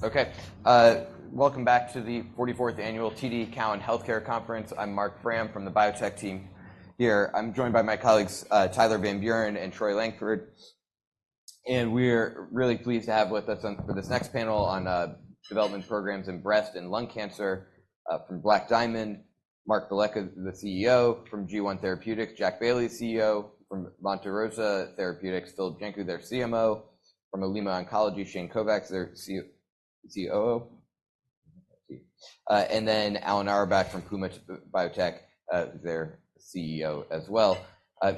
Okay, welcome back to the 44th annual TD Cowen Healthcare Conference. I'm Marc Frahm from the biotech team here. I'm joined by my colleagues, Tyler Van Buren and Troy Langford. We're really pleased to have with us on for this next panel on development programs in breast and lung cancer, from Black Diamond Therapeutics. Mark Velleca, the CEO from G1 Therapeutics. Jack Bailey, CEO from Monte Rosa Therapeutics. Filip Janku, their CMO. From Olema Oncology, Shane Kovacs, their COO. And then Alan H. Auerbach from Puma Biotechnology, their CEO as well.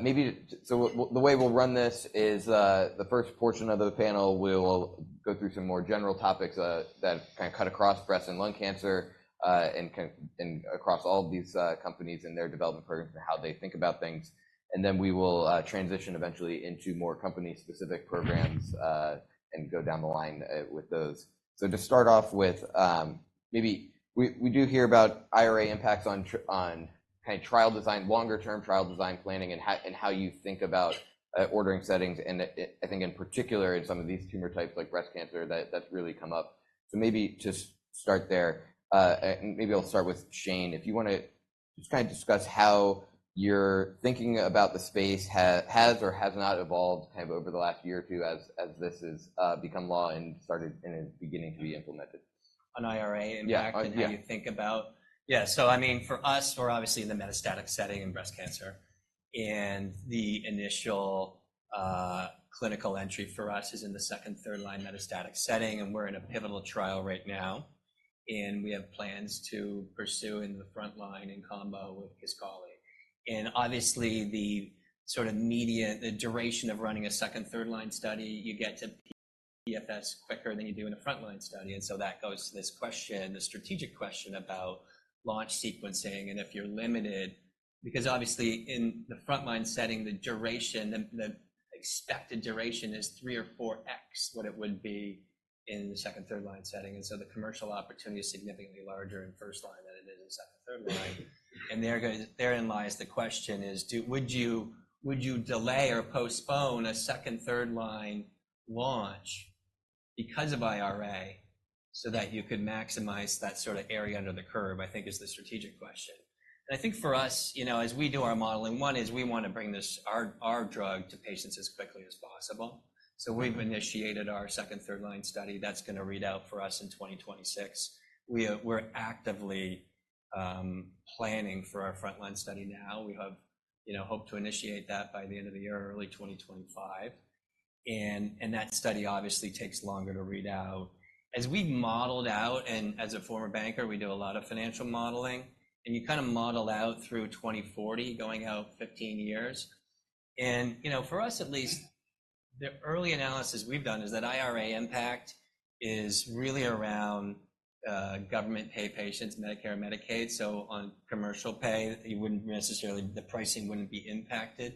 Maybe to show the way we'll run this is, the first portion of the panel will go through some more general topics, that kind of cut across breast and lung cancer, and kind of and across all of these companies and their development programs and how they think about things. And then we will transition eventually into more company-specific programs, and go down the line with those. So to start off with, maybe we do hear about IRA impacts on trial design, longer-term trial design planning, and how you think about ordering settings. And I think, in particular, in some of these tumor types like breast cancer, that's really come up. So maybe to start there, and maybe I'll start with Shane. If you wanna just kind of discuss how your thinking about the space has or has not evolved kind of over the last year or two as this has become law and started and is beginning to be implemented. An IRA impact and how you think about. Oh, yeah. Yeah. So, I mean, for us, we're obviously in the metastatic setting in breast cancer. And the initial, clinical entry for us is in the second, third line metastatic setting. And we're in a pivotal trial right now. And we have plans to pursue in the front line in combo with Kisqali. And obviously, the sort of median the duration of running a second, third line study, you get to PFS quicker than you do in a front line study. And so that goes to this question, the strategic question about launch sequencing. And if you're limited because obviously, in the front line setting, the duration, the the expected duration is 3 or 4x what it would be in the second, third line setting. And so the commercial opportunity is significantly larger in first line than it is in second, third line. And therein lies the question: would you delay or postpone a second-, third-line launch because of IRA so that you could maximize that sort of area under the curve? I think that is the strategic question. And I think for us, you know, as we do our modeling, one is we wanna bring this our drug to patients as quickly as possible. So we've initiated our second-, third-line study that's gonna read out for us in 2026. We're actively planning for our front-line study now. We have, you know, hoped to initiate that by the end of the year, early 2025. And that study obviously takes longer to read out. As we've modeled out and as a former banker, we do a lot of financial modeling. And you kind of model out through 2040, going out 15 years. You know, for us at least, the early analysis we've done is that IRA impact is really around government pay patients, Medicare, Medicaid. So on commercial pay, you wouldn't necessarily the pricing wouldn't be impacted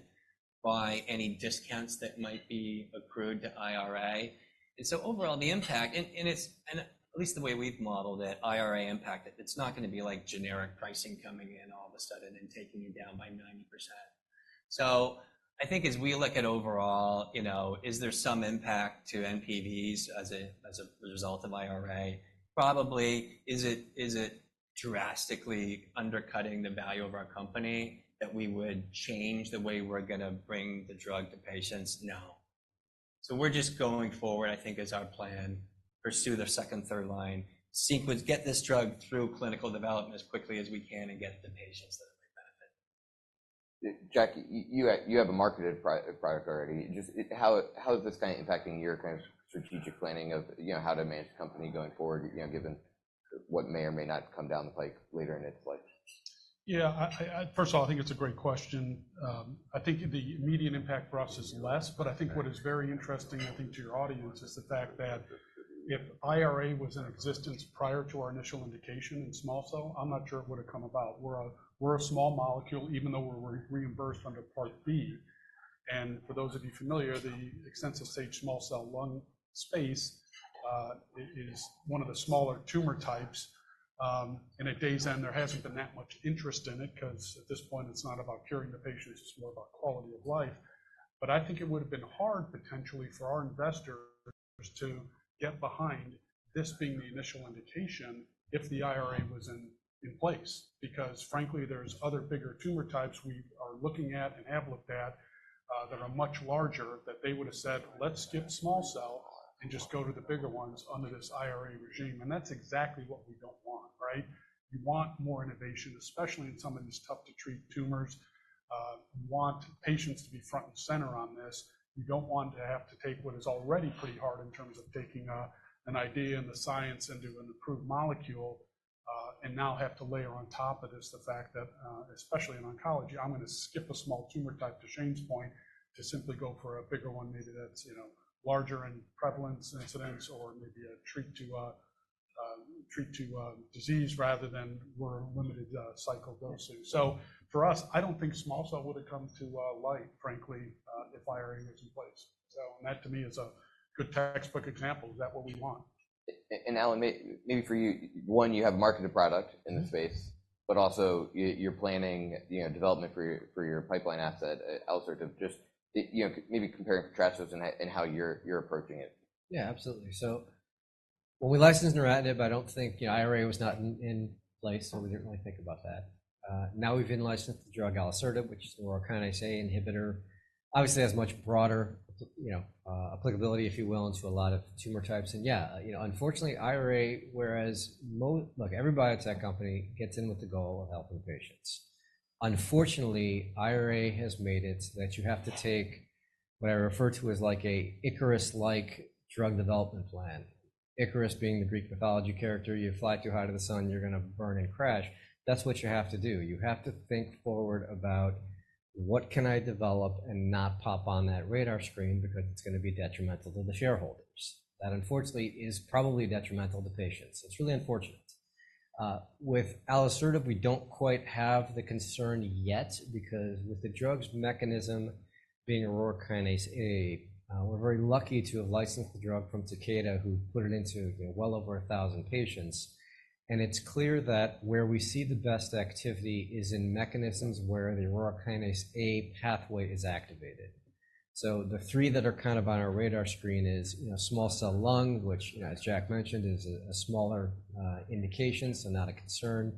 by any discounts that might be accrued to IRA. And so overall, the impact, and it's, at least the way we've modeled it, IRA impact. It's not gonna be like generic pricing coming in all of a sudden and taking you down by 90%. So I think as we look at overall, you know, is there some impact to NPVs as a result of IRA? Probably. Is it drastically undercutting the value of our company that we would change the way we're gonna bring the drug to patients? No. So, we're just going forward, I think, is our plan, pursue the second, third line sequence, get this drug through clinical development as quickly as we can, and get the patients that it might benefit. Jack, you have a marketed product already. Just how is this kind of impacting your kind of strategic planning of, you know, how to manage the company going forward, you know, given what may or may not come down the pike later in its life? Yeah. I first of all, I think it's a great question. I think the immediate impact for us is less. But I think what is very interesting, I think, to your audience is the fact that if IRA was in existence prior to our initial indication in small cell, I'm not sure it would have come about. We're a small molecule, even though we're reimbursed under Part B. And for those of you familiar, the extensive stage small cell lung space is one of the smaller tumor types. And at day's end, there hasn't been that much interest in it because at this point, it's not about curing the patients. It's more about quality of life. But I think it would have been hard, potentially, for our investors to get behind this being the initial indication if the IRA was in place. Because frankly, there's other bigger tumor types we are looking at and have looked at, that are much larger that they would have said, "Let's skip small cell and just go to the bigger ones under this IRA regime." That's exactly what we don't want, right? You want more innovation, especially in some of these tough-to-treat tumors. You want patients to be front and center on this. You don't want to have to take what is already pretty hard in terms of taking an idea and the science into an approved molecule, and now have to layer on top of this the fact that, especially in oncology, I'm gonna skip a small tumor type to Shane's point to simply go for a bigger one. Maybe that's, you know, larger in prevalence incidence or maybe a treat to disease rather than we're limited cycle dosing. So for us, I don't think small cell would have come to light, frankly, if IRA was in place. So and that, to me, is a good textbook example. Is that what we want? And Alan, maybe for you, one, you have a marketed product in the space. But also, you're planning, you know, development for your pipeline asset, Alisertib, just, you know, maybe compare and contrast dosing and how you're approaching it. Yeah, absolutely. So when we licensed neratinib, I don't think, you know, IRA was not in place. So we didn't really think about that. Now we've licensed the drug alisertib, which is the Aurora Kinase A inhibitor. Obviously, it has much broader, you know, applicability, if you will, into a lot of tumor types. And yeah, you know, unfortunately, IRA, whereas, you know, look, every biotech company gets in with the goal of helping patients. Unfortunately, IRA has made it so that you have to take what I refer to as like a Icarus-like drug development plan. Icarus being the Greek mythology character. You fly too high to the sun. You're gonna burn and crash. That's what you have to do. You have to think forward about, "What can I develop and not pop on that radar screen because it's gonna be detrimental to the shareholders?" That, unfortunately, is probably detrimental to patients. It's really unfortunate. With alisertib, we don't quite have the concern yet because with the drug's mechanism being Aurora Kinase A, we're very lucky to have licensed the drug from Takeda who put it into, you know, well over 1,000 patients. And it's clear that where we see the best activity is in mechanisms where the Aurora Kinase A pathway is activated. So the three that are kind of on our radar screen is, you know, small cell lung, which, you know, as Jack mentioned, is a smaller indication, so not a concern.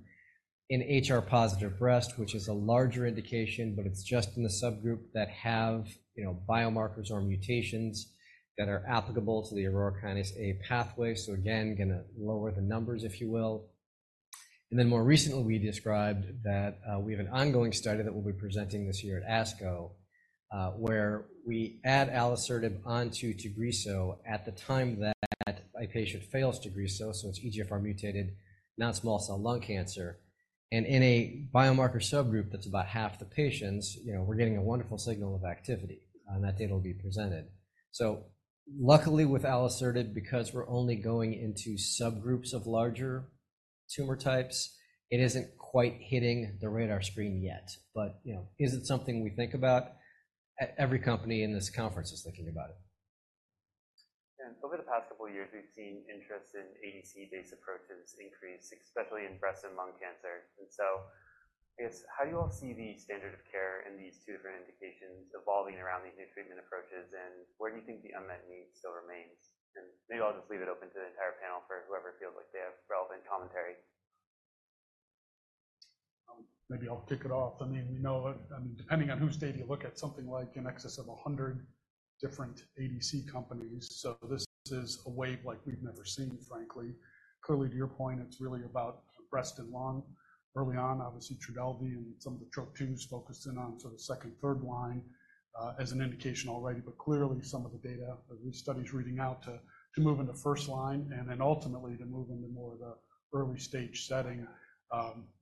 In HR-positive breast, which is a larger indication, but it's just in the subgroup that have, you know, biomarkers or mutations that are applicable to the Aurora Kinase A pathway. So again, gonna lower the numbers, if you will. And then more recently, we described that, we have an ongoing study that we'll be presenting this year at ASCO, where we add Alisertib onto Tagrisso at the time that a patient fails Tagrisso. So it's EGFR-mutated, non-small cell lung cancer. And in a biomarker subgroup that's about half the patients, you know, we're getting a wonderful signal of activity. And that data will be presented. So luckily, with Alisertib, because we're only going into subgroups of larger tumor types, it isn't quite hitting the radar screen yet. But, you know, is it something we think about? Every company in this conference is thinking about it. Yeah. Over the past couple of years, we've seen interest in ADC-based approaches increase, especially in breast and lung cancer. And so I guess, how do you all see the standard of care in these two different indications evolving around these new treatment approaches? And where do you think the unmet need still remains? And maybe I'll just leave it open to the entire panel for whoever feels like they have relevant commentary. Maybe I'll kick it off. I mean, we know it, I mean, depending on whose data you look at, something like an excess of 100 different ADC companies. So this is a wave like we've never seen, frankly. Clearly, to your point, it's really about breast and lung. Early on, obviously, Trodelvy and some of the Trop-2s focused in on sort of second, third line, as an indication already. But clearly, some of the data, the studies reading out to move into first line and then ultimately to move into more of the early stage setting,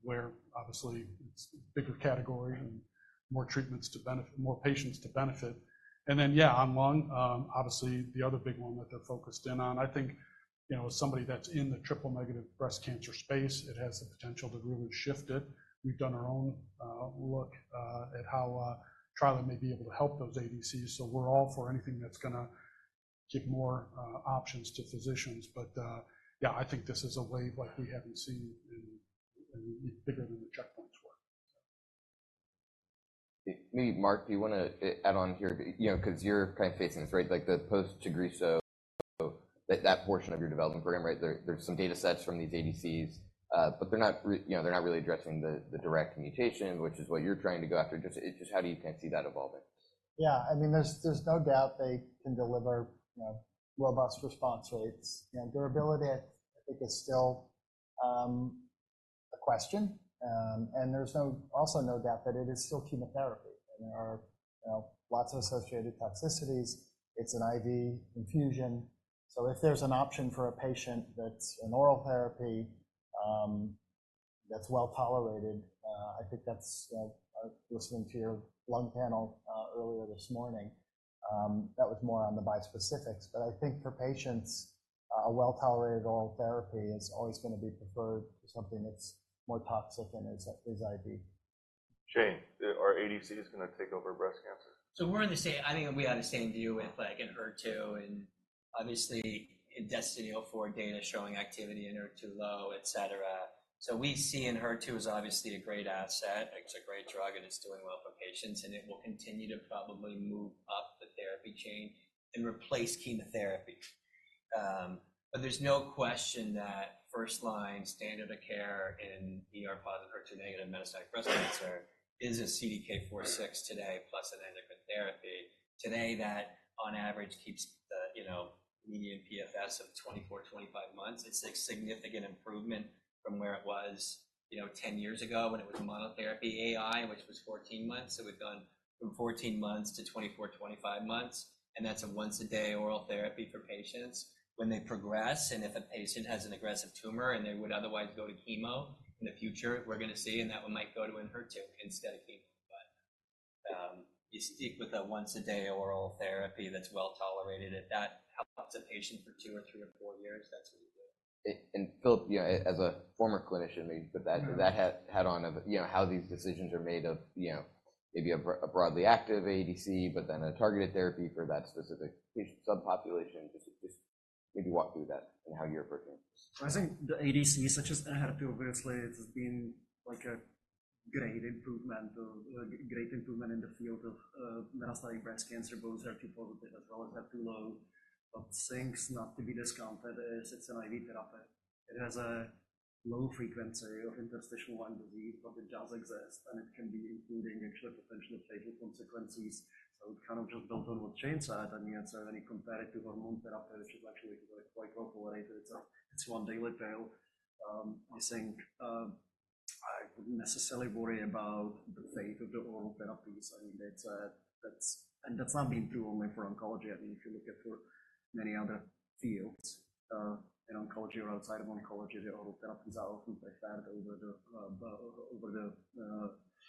where obviously, it's a bigger category and more treatments to benefit more patients. And then, yeah, on lung, obviously, the other big one that they're focused in on, I think, you know, as somebody that's in the triple-negative breast cancer space, it has the potential to really shift it. We've done our own look at how trilaciclib may be able to help those ADCs. So we're all for anything that's gonna give more options to physicians. But, yeah, I think this is a wave like we haven't seen in bigger than the checkpoints were, so. Maybe, Mark, do you wanna add on here, you know, because you're kind of facing this, right? Like the post-Tagrisso, that portion of your development program, right? There are some data sets from these ADCs, but they're not really, you know, addressing the direct mutation, which is what you're trying to go after. Just how do you kind of see that evolving? Yeah. I mean, there's no doubt they can deliver, you know, robust response rates. You know, durability, I think, is still a question. And there's also no doubt that it is still chemotherapy. And there are, you know, lots of associated toxicities. It's an IV infusion. So if there's an option for a patient that's an oral therapy, that's well tolerated, I think that's, you know, listening to your lung panel, earlier this morning, that was more on the bispecifics. But I think for patients, a well-tolerated oral therapy is always gonna be preferred to something that's more toxic and is IV. Shane, are ADCs gonna take over breast cancer? So we're in the same I mean, we're on the same view with, like, an HER2 and obviously, in DESTINY04 data showing activity in HER2-low, etc. So we see in HER2 is obviously a great asset. It's a great drug. And it's doing well for patients. And it will continue to probably move up the therapy chain and replace chemotherapy. But there's no question that first line standard of care in ER-positive HER2-negative metastatic breast cancer is a CDK4/6 today plus an endocrine therapy today that, on average, keeps the, you know, median PFS of 24-25 months. It's a significant improvement from where it was, you know, 10 years ago when it was monotherapy AI, which was 14 months. So we've gone from 14 months to 24-25 months. And that's a once-a-day oral therapy for patients. When they progress and if a patient has an aggressive tumor and they would otherwise go to chemo in the future, we're gonna see, and that one might go to Enhertu instead of chemo. But you stick with a once-a-day oral therapy that's well tolerated. If that helps a patient for two or three or four years, that's what you do. And Philip, you know, as a former clinician, maybe put that hat on, you know, how these decisions are made, you know, maybe a broadly active ADC but then a targeted therapy for that specific patient subpopulation. Just maybe walk through that and how you're approaching it. Well, I think the ADC, such as I had a few of you explained, it's been like a great improvement of a great improvement in the field of metastatic breast cancer, both HER2-positive as well as HER2-low. But things not to be discounted is it's an IV therapy. It has a low frequency of interstitial lung disease, but it does exist. And it can be including actually potential fatal consequences. So it kind of just built on what Shane said. I mean, it's already compared to hormone therapy, which is actually quite well tolerated. It's a it's one daily pill. I think, I wouldn't necessarily worry about the fate of the oral therapies. I mean, it's a that's and that's not been true only for oncology. I mean, if you look at for many other fields, in oncology or outside of oncology, the oral therapies are often preferred over the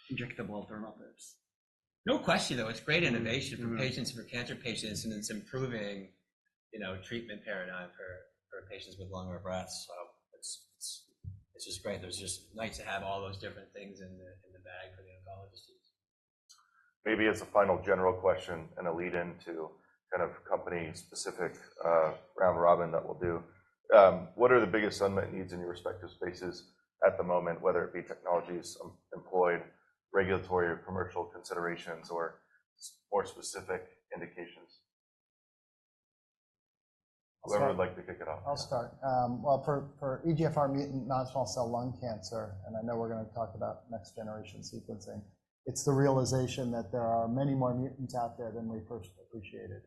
injectable alternatives. No question, though. It's great innovation for patients for cancer patients. And it's improving, you know, treatment paradigm for patients with lung or breast. So it's just great. There's just nice to have all those different things in the bag for the oncologist to use. Maybe as a final general question and a lead-in to kind of company-specific, round-robin that we'll do, what are the biggest unmet needs in your respective spaces at the moment, whether it be technologies employed, regulatory or commercial considerations, or more specific indications? Whoever would like to kick it off. I'll start. Well, for EGFR-mutant non-small cell lung cancer - and I know we're gonna talk about next-generation sequencing - it's the realization that there are many more mutants out there than we first appreciated.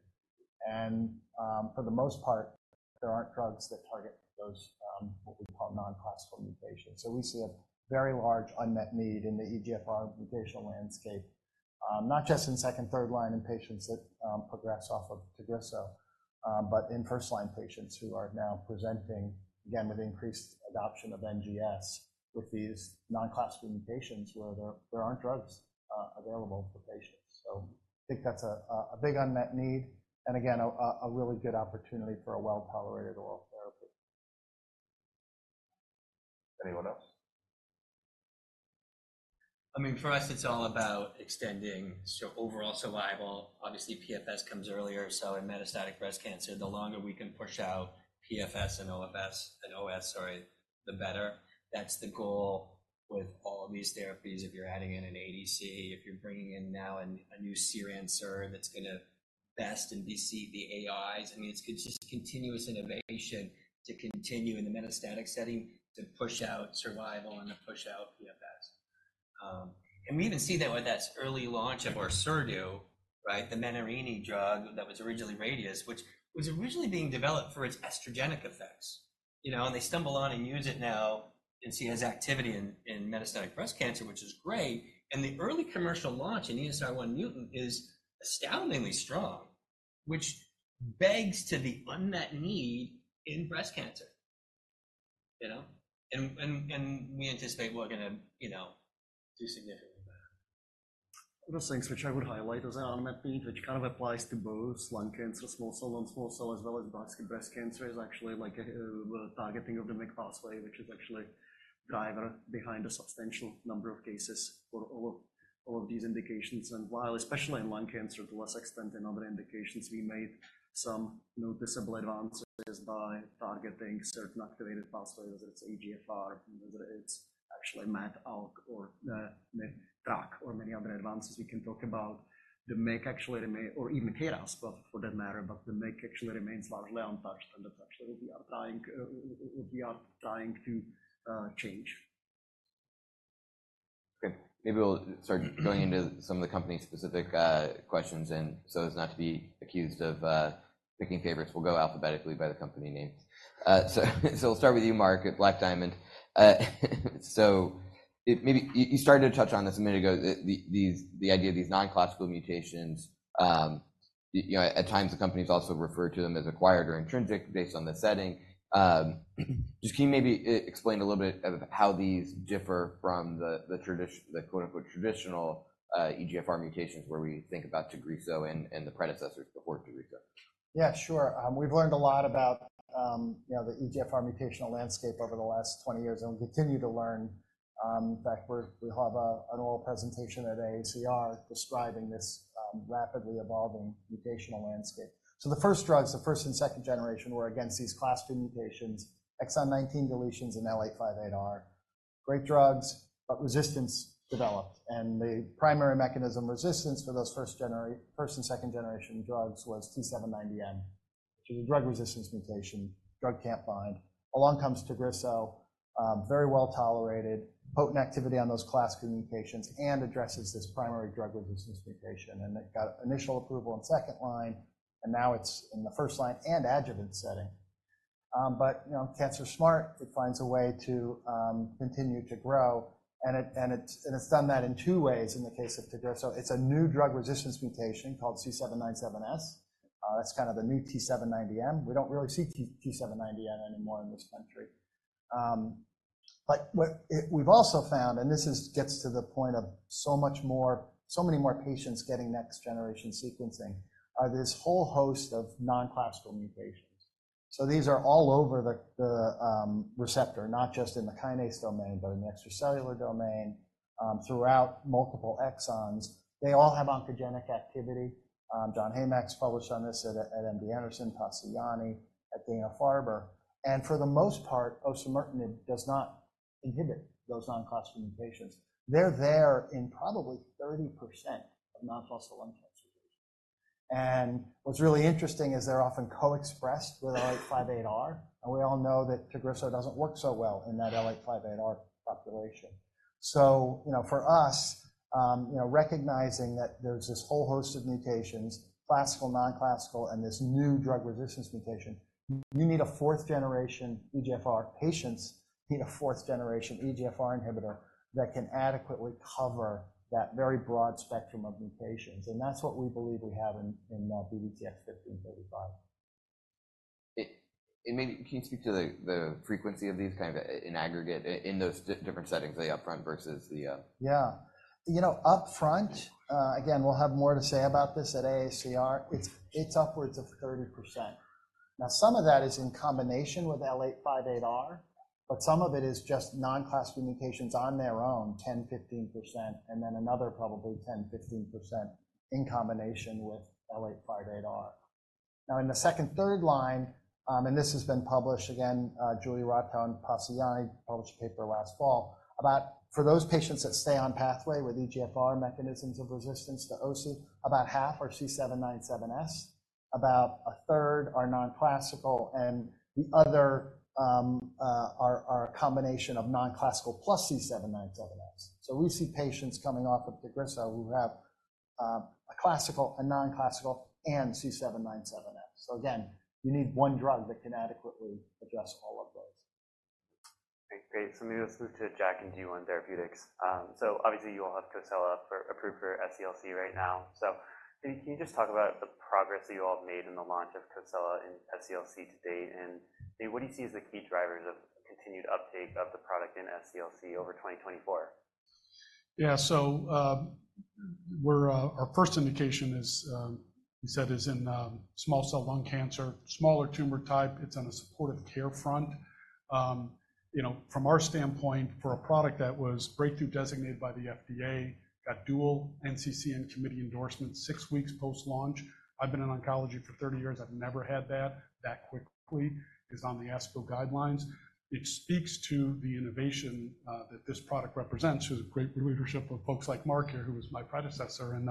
And, for the most part, there aren't drugs that target those, what we call non-classical mutations. So we see a very large unmet need in the EGFR mutational landscape, not just in second, third line in patients that progress off of Tagrisso, but in first-line patients who are now presenting, again, with increased adoption of NGS with these non-classical mutations where there aren't drugs available for patients. So I think that's a big unmet need. And again, a really good opportunity for a well-tolerated oral therapy. Anyone else? I mean, for us, it's all about extending so overall survival. Obviously, PFS comes earlier. So in metastatic breast cancer, the longer we can push out PFS and OFS and OS, sorry, the better. That's the goal with all of these therapies. If you're adding in an ADC, if you're bringing in now a new CERAN that's gonna best indeceive the AIs, I mean, it's just continuous innovation to continue in the metastatic setting to push out survival and to push out PFS. And we even see that with that early launch of our Orserdu, right, the Menarini drug that was originally Radius, which was originally being developed for its estrogenic effects, you know? And they stumble on and use it now and see has activity in metastatic breast cancer, which is great. And the early commercial launch in ESR1 mutant is astoundingly strong, which begs to the unmet need in breast cancer, you know? And we anticipate we're gonna, you know, do significantly better. Little things, which I would highlight. There's an unmet need, which kind of applies to both lung cancer, small-cell and non-small-cell, as well as breast cancer. It's actually like a targeting of the MYC pathway, which is actually driver behind a substantial number of cases for all of these indications. And while, especially in lung cancer, to less extent in other indications, we made some noticeable advances by targeting certain activated pathways, whether it's EGFR, whether it's actually MET/ALK or, MIG/TRK or many other advances we can talk about. The MYC actually remain or even KRAS, but for that matter, but the MYC actually remains largely untouched. And that's actually what we are trying to change. Okay. Maybe we'll start going into some of the company-specific questions. So it's not to be accused of picking favorites. We'll go alphabetically by the company names. So we'll start with you, Mark, at Black Diamond. So maybe you started to touch on this a minute ago, the idea of these non-classical mutations. You know, at times, the company's also referred to them as acquired or intrinsic based on the setting. Just can you maybe explain a little bit of how these differ from the quote-unquote "traditional" EGFR mutations where we think about Tagrisso and the predecessors before Tagrisso? Yeah, sure. We've learned a lot about, you know, the EGFR mutational landscape over the last 20 years. We'll continue to learn. In fact, we'll have an oral presentation at AACR describing this rapidly evolving mutational landscape. The first drugs, the first and second generation, were against these class two mutations, Exon 19 deletions and L858R. Great drugs, but resistance developed. The primary mechanism resistance for those first-generation first and second-generation drugs was T790M, which is a drug resistance mutation, drug can't bind. Along comes Tagrisso, very well tolerated, potent activity on those class two mutations, and addresses this primary drug resistance mutation. It got initial approval in second line. Now it's in the first line and adjuvant setting. But, you know, cancer smart, it finds a way to continue to grow. And it's done that in two ways in the case of Tagrisso. It's a new drug resistance mutation called C797S. That's kind of the new T790M. We don't really see T790M anymore in this country. But what we've also found, and this gets to the point of so many more patients getting next-generation sequencing, are this whole host of non-classical mutations. So these are all over the receptor, not just in the kinase domain but in the extracellular domain, throughout multiple exons. They all have oncogenic activity. John Heymach published on this at MD Anderson, Jänne, at Dana-Farber. And for the most part, Osimertinib does not inhibit those non-classical mutations. They're there in probably 30% of non-small cell lung cancer patients. And what's really interesting is they're often co-expressed with L858R. We all know that Tagrisso doesn't work so well in that L858R population. So, you know, for us, you know, recognizing that there's this whole host of mutations, classical, non-classical, and this new drug resistance mutation, you need a fourth-generation EGFR patients need a fourth-generation EGFR inhibitor that can adequately cover that very broad spectrum of mutations. And that's what we believe we have in BDTX-1535. Maybe can you speak to the frequency of these kind of in aggregate in those different settings, the upfront versus the? Yeah. You know, upfront, again, we'll have more to say about this at AACR. It's upwards of 30%. Now, some of that is in combination with L858R. But some of it is just non-classical mutations on their own, 10%-15%, and then another probably 10%-15% in combination with L858R. Now, in the second- and third-line, and this has been published again, Julia Rotow and Jänne published a paper last fall about for those patients that stay on pathway with EGFR mechanisms of resistance to OC, about half are C797S. About a third are non-classical. And the other are a combination of non-classical plus C797S. So we see patients coming off of Tagrisso who have a classical, a non-classical, and C797S. So again, you need one drug that can adequately address all of those. Okay. Great. So maybe let's move to Jack and G1 Therapeutics. So obviously, you all have Cosela approved for SCLC right now. So maybe can you just talk about the progress that you all have made in the launch of Cosela in SCLC to date? And maybe what do you see as the key drivers of continued uptake of the product in SCLC over 2024? Yeah. So, we're our first indication is, you said, is in, small cell lung cancer, smaller tumor type. It's on a supportive care front. You know, from our standpoint, for a product that was breakthrough designated by the FDA, got dual NCCN committee endorsement 6 weeks post-launch. I've been in oncology for 30 years. I've never had that that quickly is on the ASCO guidelines. It speaks to the innovation, that this product represents, which is great leadership of folks like Mark here, who was my predecessor. And,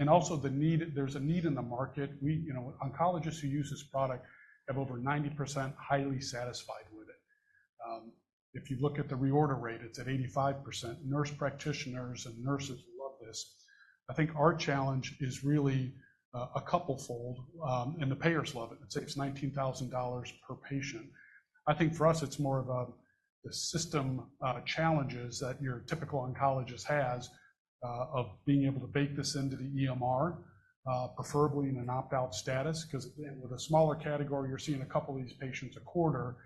and also the need there's a need in the market. We, you know, oncologists who use this product have over 90% highly satisfied with it. If you look at the reorder rate, it's at 85%. Nurse practitioners and nurses love this. I think our challenge is really, a couple-fold. And the payers love it. It saves $19,000 per patient. I think for us, it's more of the systemic challenges that your typical oncologist has, of being able to bake this into the EMR, preferably in an opt-out status because, again, with a smaller category, you're seeing a couple of these patients a quarter.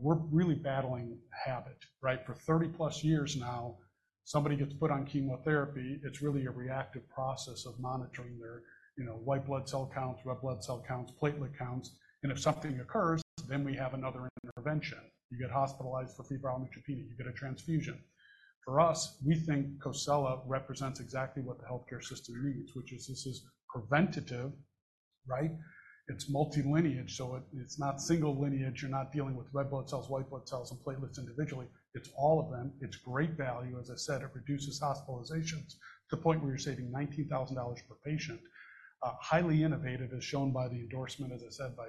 We're really battling habit, right? For 30+ years now, somebody gets put on chemotherapy. It's really a reactive process of monitoring their, you know, white blood cell counts, red blood cell counts, platelet counts. And if something occurs, then we have another intervention. You get hospitalized for febrile neutropenia. You get a transfusion. For us, we think Cosela represents exactly what the healthcare system needs, which is this is preventative, right? It's multilineage. So it's not single lineage. You're not dealing with red blood cells, white blood cells, and platelets individually. It's all of them. It's great value. As I said, it reduces hospitalizations to the point where you're saving $19,000 per patient. Highly innovative is shown by the endorsement, as I said, by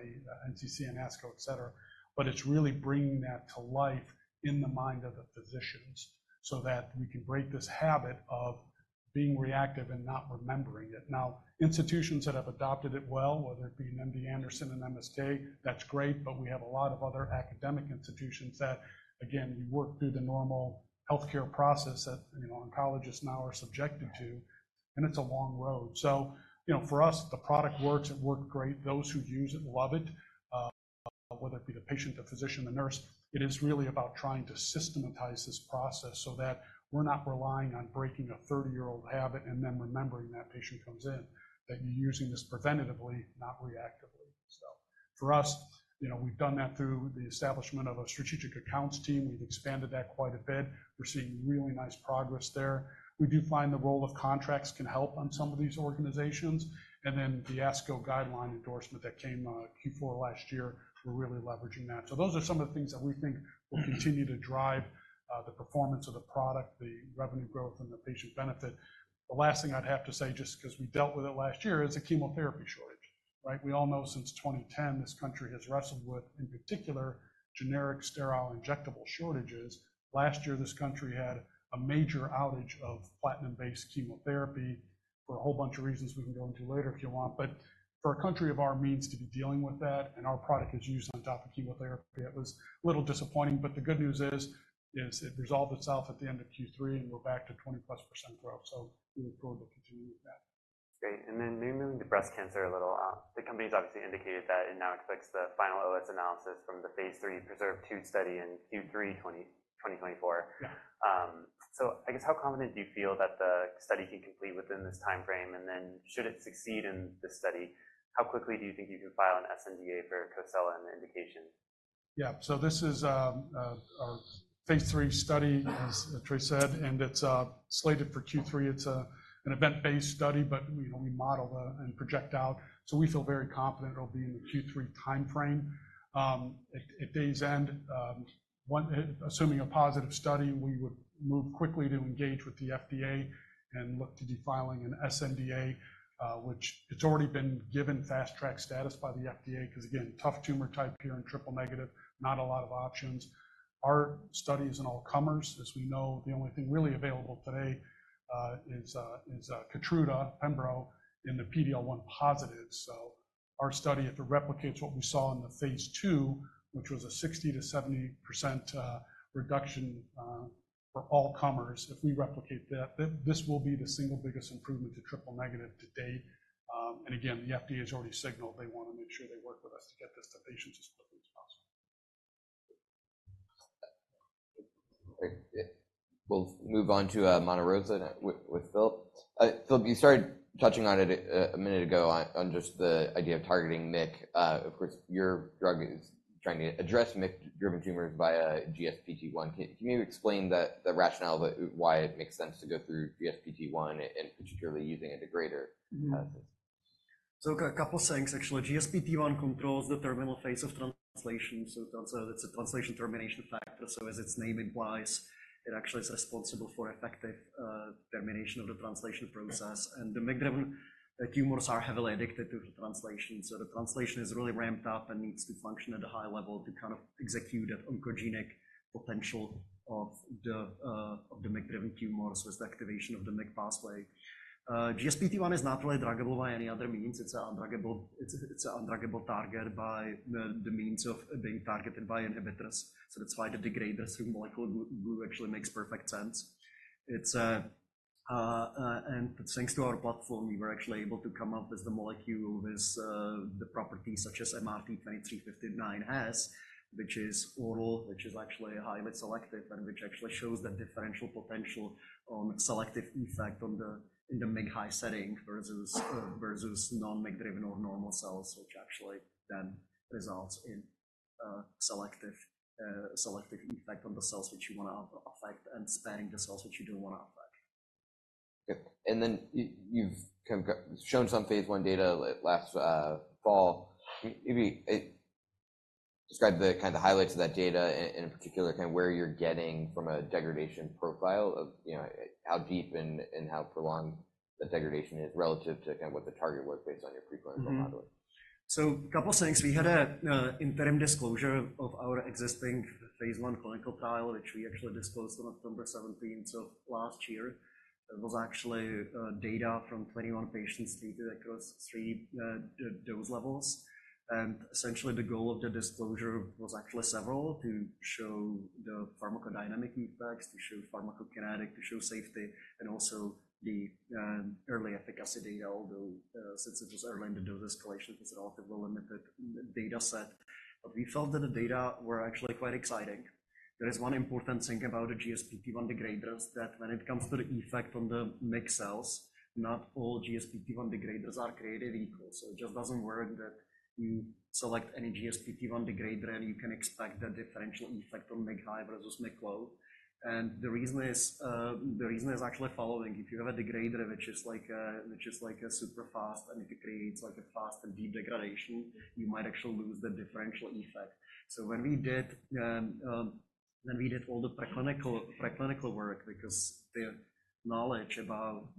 NCC and ASCO, etc. But it's really bringing that to life in the mind of the physicians so that we can break this habit of being reactive and not remembering it. Now, institutions that have adopted it well, whether it be an MD Anderson, an MSK, that's great. But we have a lot of other academic institutions that, again, you work through the normal healthcare process that, you know, oncologists now are subjected to. And it's a long road. So, you know, for us, the product works. It worked great. Those who use it love it. Whether it be the patient, the physician, the nurse, it is really about trying to systematize this process so that we're not relying on breaking a 30-year-old habit and then remembering that patient comes in, that you're using this preventatively, not reactively. So for us, you know, we've done that through the establishment of a strategic accounts team. We've expanded that quite a bit. We're seeing really nice progress there. We do find the role of contracts can help on some of these organizations. And then the ASCO guideline endorsement that came Q4 last year, we're really leveraging that. So those are some of the things that we think will continue to drive the performance of the product, the revenue growth, and the patient benefit. The last thing I'd have to say, just because we dealt with it last year, is the chemotherapy shortage, right? We all know since 2010, this country has wrestled with, in particular, generic sterile injectable shortages. Last year, this country had a major outage of platinum-based chemotherapy for a whole bunch of reasons we can go into later if you want. But for a country of our means to be dealing with that and our product is used on top of chemotherapy, it was a little disappointing. But the good news is, it resolved itself at the end of Q3, and we're back to 20+% growth. So we look forward to continuing with that. Great. And then maybe moving to breast cancer a little. The company's obviously indicated that it now expects the final OS analysis from the phase 3 PRESERVE-2 study in Q3 2024. Yeah. I guess, how confident do you feel that the study can complete within this timeframe? And then should it succeed in this study, how quickly do you think you can file an SNDA for Cosela and the indication? Yeah. So this is our phase three study, as Troy said. And it's slated for Q3. It's an event-based study. But, you know, we model and project out. So we feel very confident it'll be in the Q3 timeframe. At day's end, assuming a positive study, we would move quickly to engage with the FDA and look to be filing an SNDA, which it's already been given fast-track status by the FDA because, again, tough tumor type here and triple negative, not a lot of options. Our study is an all-comers. As we know, the only thing really available today is Keytruda/Pembro in the PD-L1 positive. So our study, if it replicates what we saw in the phase two, which was a 60%-70% reduction for all-comers, if we replicate that, this will be the single biggest improvement to triple negative to date. Again, the FDA has already signaled they want to make sure they work with us to get this to patients as quickly as possible. Great. We'll move on to Monte Rosa with Filip. Filip, you started touching on it a minute ago on just the idea of targeting MIG. Of course, your drug is trying to address MYC-driven tumors via GSPT1. Can you explain the rationale of why it makes sense to go through GSPT1 and particularly using a degrader? So a couple of things, actually. GSPT1 controls the terminal phase of translation. So it's a translation termination factor. So as its name implies, it actually is responsible for effective termination of the translation process. And the MYC-driven tumors are heavily addicted to the translation. So the translation is really ramped up and needs to function at a high level to kind of execute that oncogenic potential of the MYC-driven tumors with the activation of the MYC pathway. GSPT1 is not really druggable by any other means. It's an undruggable target by the means of being targeted by inhibitors. So that's why the degraders through molecular glue actually makes perfect sense. It's, and thanks to our platform, we were actually able to come up with the molecule with the properties such as MRT-2359 has, which is oral, which is actually highly selective and which actually shows the differential potential on selective effect on the in the MYC high setting versus non-MYC-driven or normal cells, which actually then results in selective effect on the cells which you want to affect and sparing the cells which you don't want to affect. Good. Then you've kind of shown some phase 1 data last fall. Maybe describe the kind of highlights of that data in particular, kind of where you're getting from a degradation profile of, you know, how deep and how prolonged the degradation is relative to kind of what the target was based on your pre-clinical modeling. So a couple of things. We had an interim disclosure of our existing phase 1 clinical trial, which we actually disclosed on October 17th of last year. It was actually data from 21 patients treated across three dose levels. And essentially, the goal of the disclosure was actually several to show the pharmacodynamic effects, to show pharmacokinetic, to show safety, and also the early efficacy data, although since it was early in the dose escalation, it was a relatively limited data set. But we felt that the data were actually quite exciting. There is one important thing about the GSPT1 degraders that when it comes to the effect on the MYC cells, not all GSPT1 degraders are created equal. So it just doesn't work that you select any GSPT1 degrader, and you can expect the differential effect on MYC high versus MYC low. The reason is, the reason is actually following. If you have a degrader, which is like, which is like super fast, and it creates like a fast and deep degradation, you might actually lose the differential effect. So when we did all the preclinical work because the knowledge about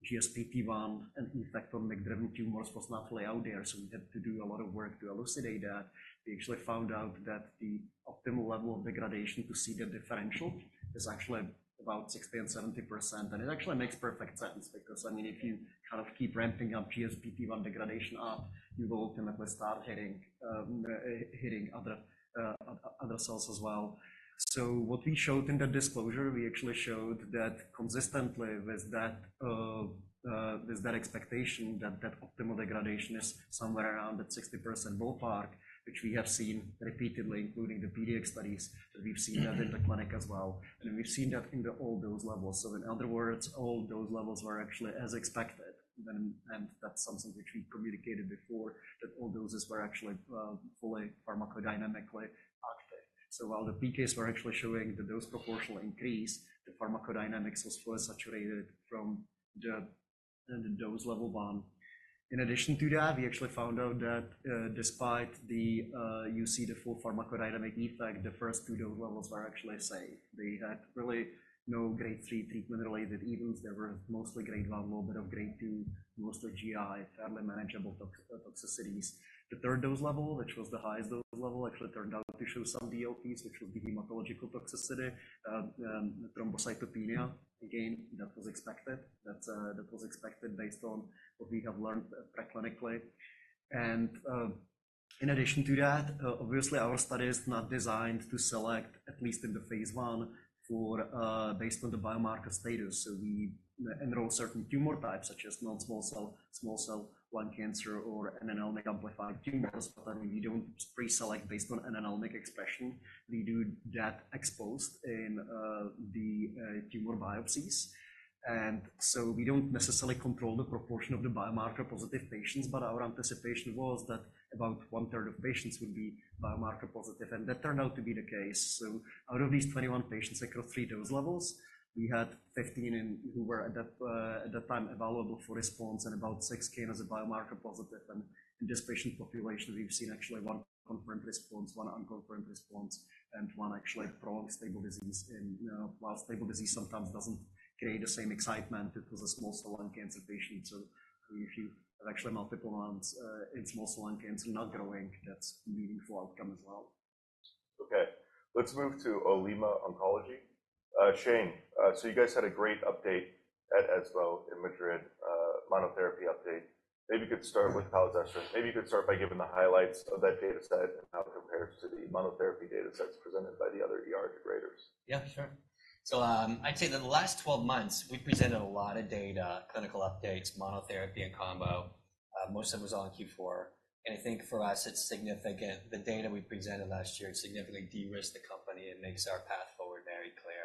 the GSPT1 and effect on MYC-driven tumors was not really out there, so we had to do a lot of work to elucidate that, we actually found out that the optimal level of degradation to see the differential is actually about 60%-70%. And it actually makes perfect sense because, I mean, if you kind of keep ramping up GSPT1 degradation, you will ultimately start hitting other cells as well. So what we showed in the disclosure, we actually showed that consistently with that, with that expectation that that optimal degradation is somewhere around that 60% ballpark, which we have seen repeatedly, including the PDX studies that we've seen that in the clinic as well. We've seen that in all dose levels. In other words, all dose levels were actually as expected. That's something which we communicated before, that all doses were actually fully pharmacodynamically active. While the PKs were actually showing the dose proportional increase, the pharmacodynamics was further saturated from the dose level 1. In addition to that, we actually found out that despite you see the full pharmacodynamic effect, the first 2 dose levels were actually safe. They had really no grade 3 treatment-related events. There were mostly grade 1, a little bit of grade 2, mostly GI, fairly manageable toxicities. The third dose level, which was the highest dose level, actually turned out to show some DLTs, which would be hematological toxicity, thrombocytopenia. Again, that was expected. That was expected based on what we have learned preclinically. In addition to that, obviously, our study is not designed to select, at least in the phase one, for, based on the biomarker status. So we enroll certain tumor types such as non-small cell, small cell, lung cancer, or MYC-amplified tumors. But we don't preselect based on MYC expression. We do that exposed in the tumor biopsies. And so we don't necessarily control the proportion of the biomarker-positive patients. But our anticipation was that about one-third of patients would be biomarker-positive. And that turned out to be the case. So out of these 21 patients across three dose levels, we had 15 who were at that, at that time available for response, and about six came as biomarker-positive. And in this patient population, we've seen actually one confirmed response, one unconfirmed response, and one actually prolonged stable disease in, while stable disease sometimes doesn't create the same excitement if it was a small cell lung cancer patient. So if you have actually multiple ones, in small cell lung cancer not growing, that's a meaningful outcome as well. Okay. Let's move to Olema Oncology. Shane, so you guys had a great update at ESMO in Madrid, monotherapy update. Maybe you could start with palazestrant. Maybe you could start by giving the highlights of that data set and how it compares to the monotherapy data sets presented by the other degraders. Yeah, sure. So, I'd say that the last 12 months, we presented a lot of data, clinical updates, monotherapy in combo. Most of it was all in Q4. And I think for us, it's significant. The data we presented last year significantly de-risked the company and makes our path forward very clear.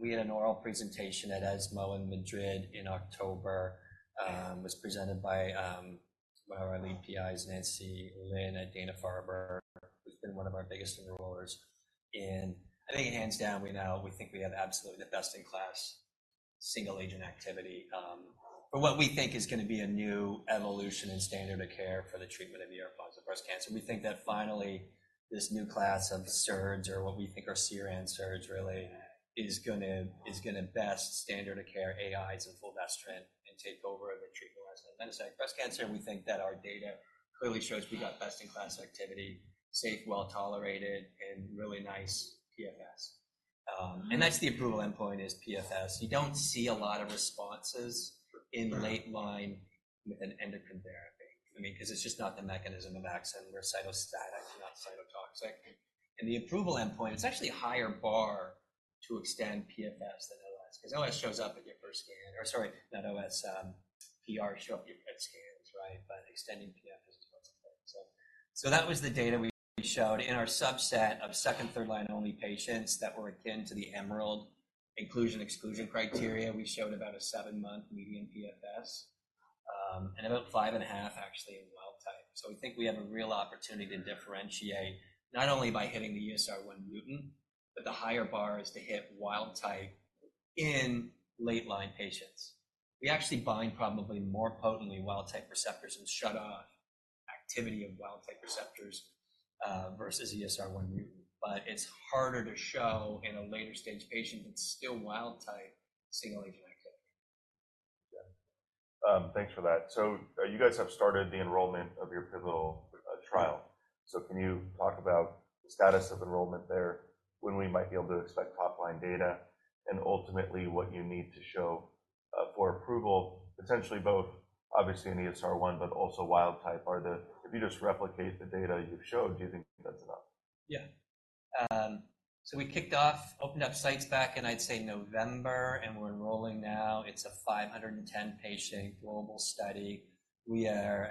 We had an oral presentation at ESMO in Madrid in October. It was presented by one of our lead PIs, Nancy Lin at Dana-Farber, who's been one of our biggest enrollers. And I think hands down, we now we think we have absolutely the best-in-class single agent activity, for what we think is going to be a new evolution in standard of care for the treatment of positive breast cancer. We think that finally, this new class of SERDs or what we think are CERAN SERDs really is going to beat standard of care AIs in Fulvestrant and take over the treatment lines. Then aside from breast cancer, we think that our data clearly shows we got best-in-class activity, safe, well-tolerated, and really nice PFS. And that's the approval endpoint is PFS. You don't see a lot of responses in late line with an endocrine therapy, I mean, because it's just not the mechanism of action. We're cytostatic, not cytotoxic. And the approval endpoint, it's actually a higher bar to extend PFS than OS because OS shows up at your first scan or sorry, not OS, PR show up at scans, right? But extending PFS is what's important. So that was the data we showed. In our subset of second- and third-line only patients that were akin to the EMERALD inclusion/exclusion criteria, we showed about a 7-month median PFS, and about 5.5 actually in wild type. So we think we have a real opportunity to differentiate not only by hitting the ESR1 mutant, but the higher bar is to hit wild type in late-line patients. We actually bind probably more potently wild type receptors and shut off activity of wild type receptors, versus ESR1 mutant. But it's harder to show in a later stage patient that's still wild type single agent activity. Okay. Thanks for that. So, you guys have started the enrollment of your pivotal trial. So can you talk about the status of enrollment there, when we might be able to expect top-line data, and ultimately what you need to show for approval, potentially both, obviously, an ESR1 but also wild-type? Are there if you just replicate the data you've showed, do you think that's enough? Yeah. So we kicked off, opened up sites back, and I'd say November. We're enrolling now. It's a 510-patient global study. We are,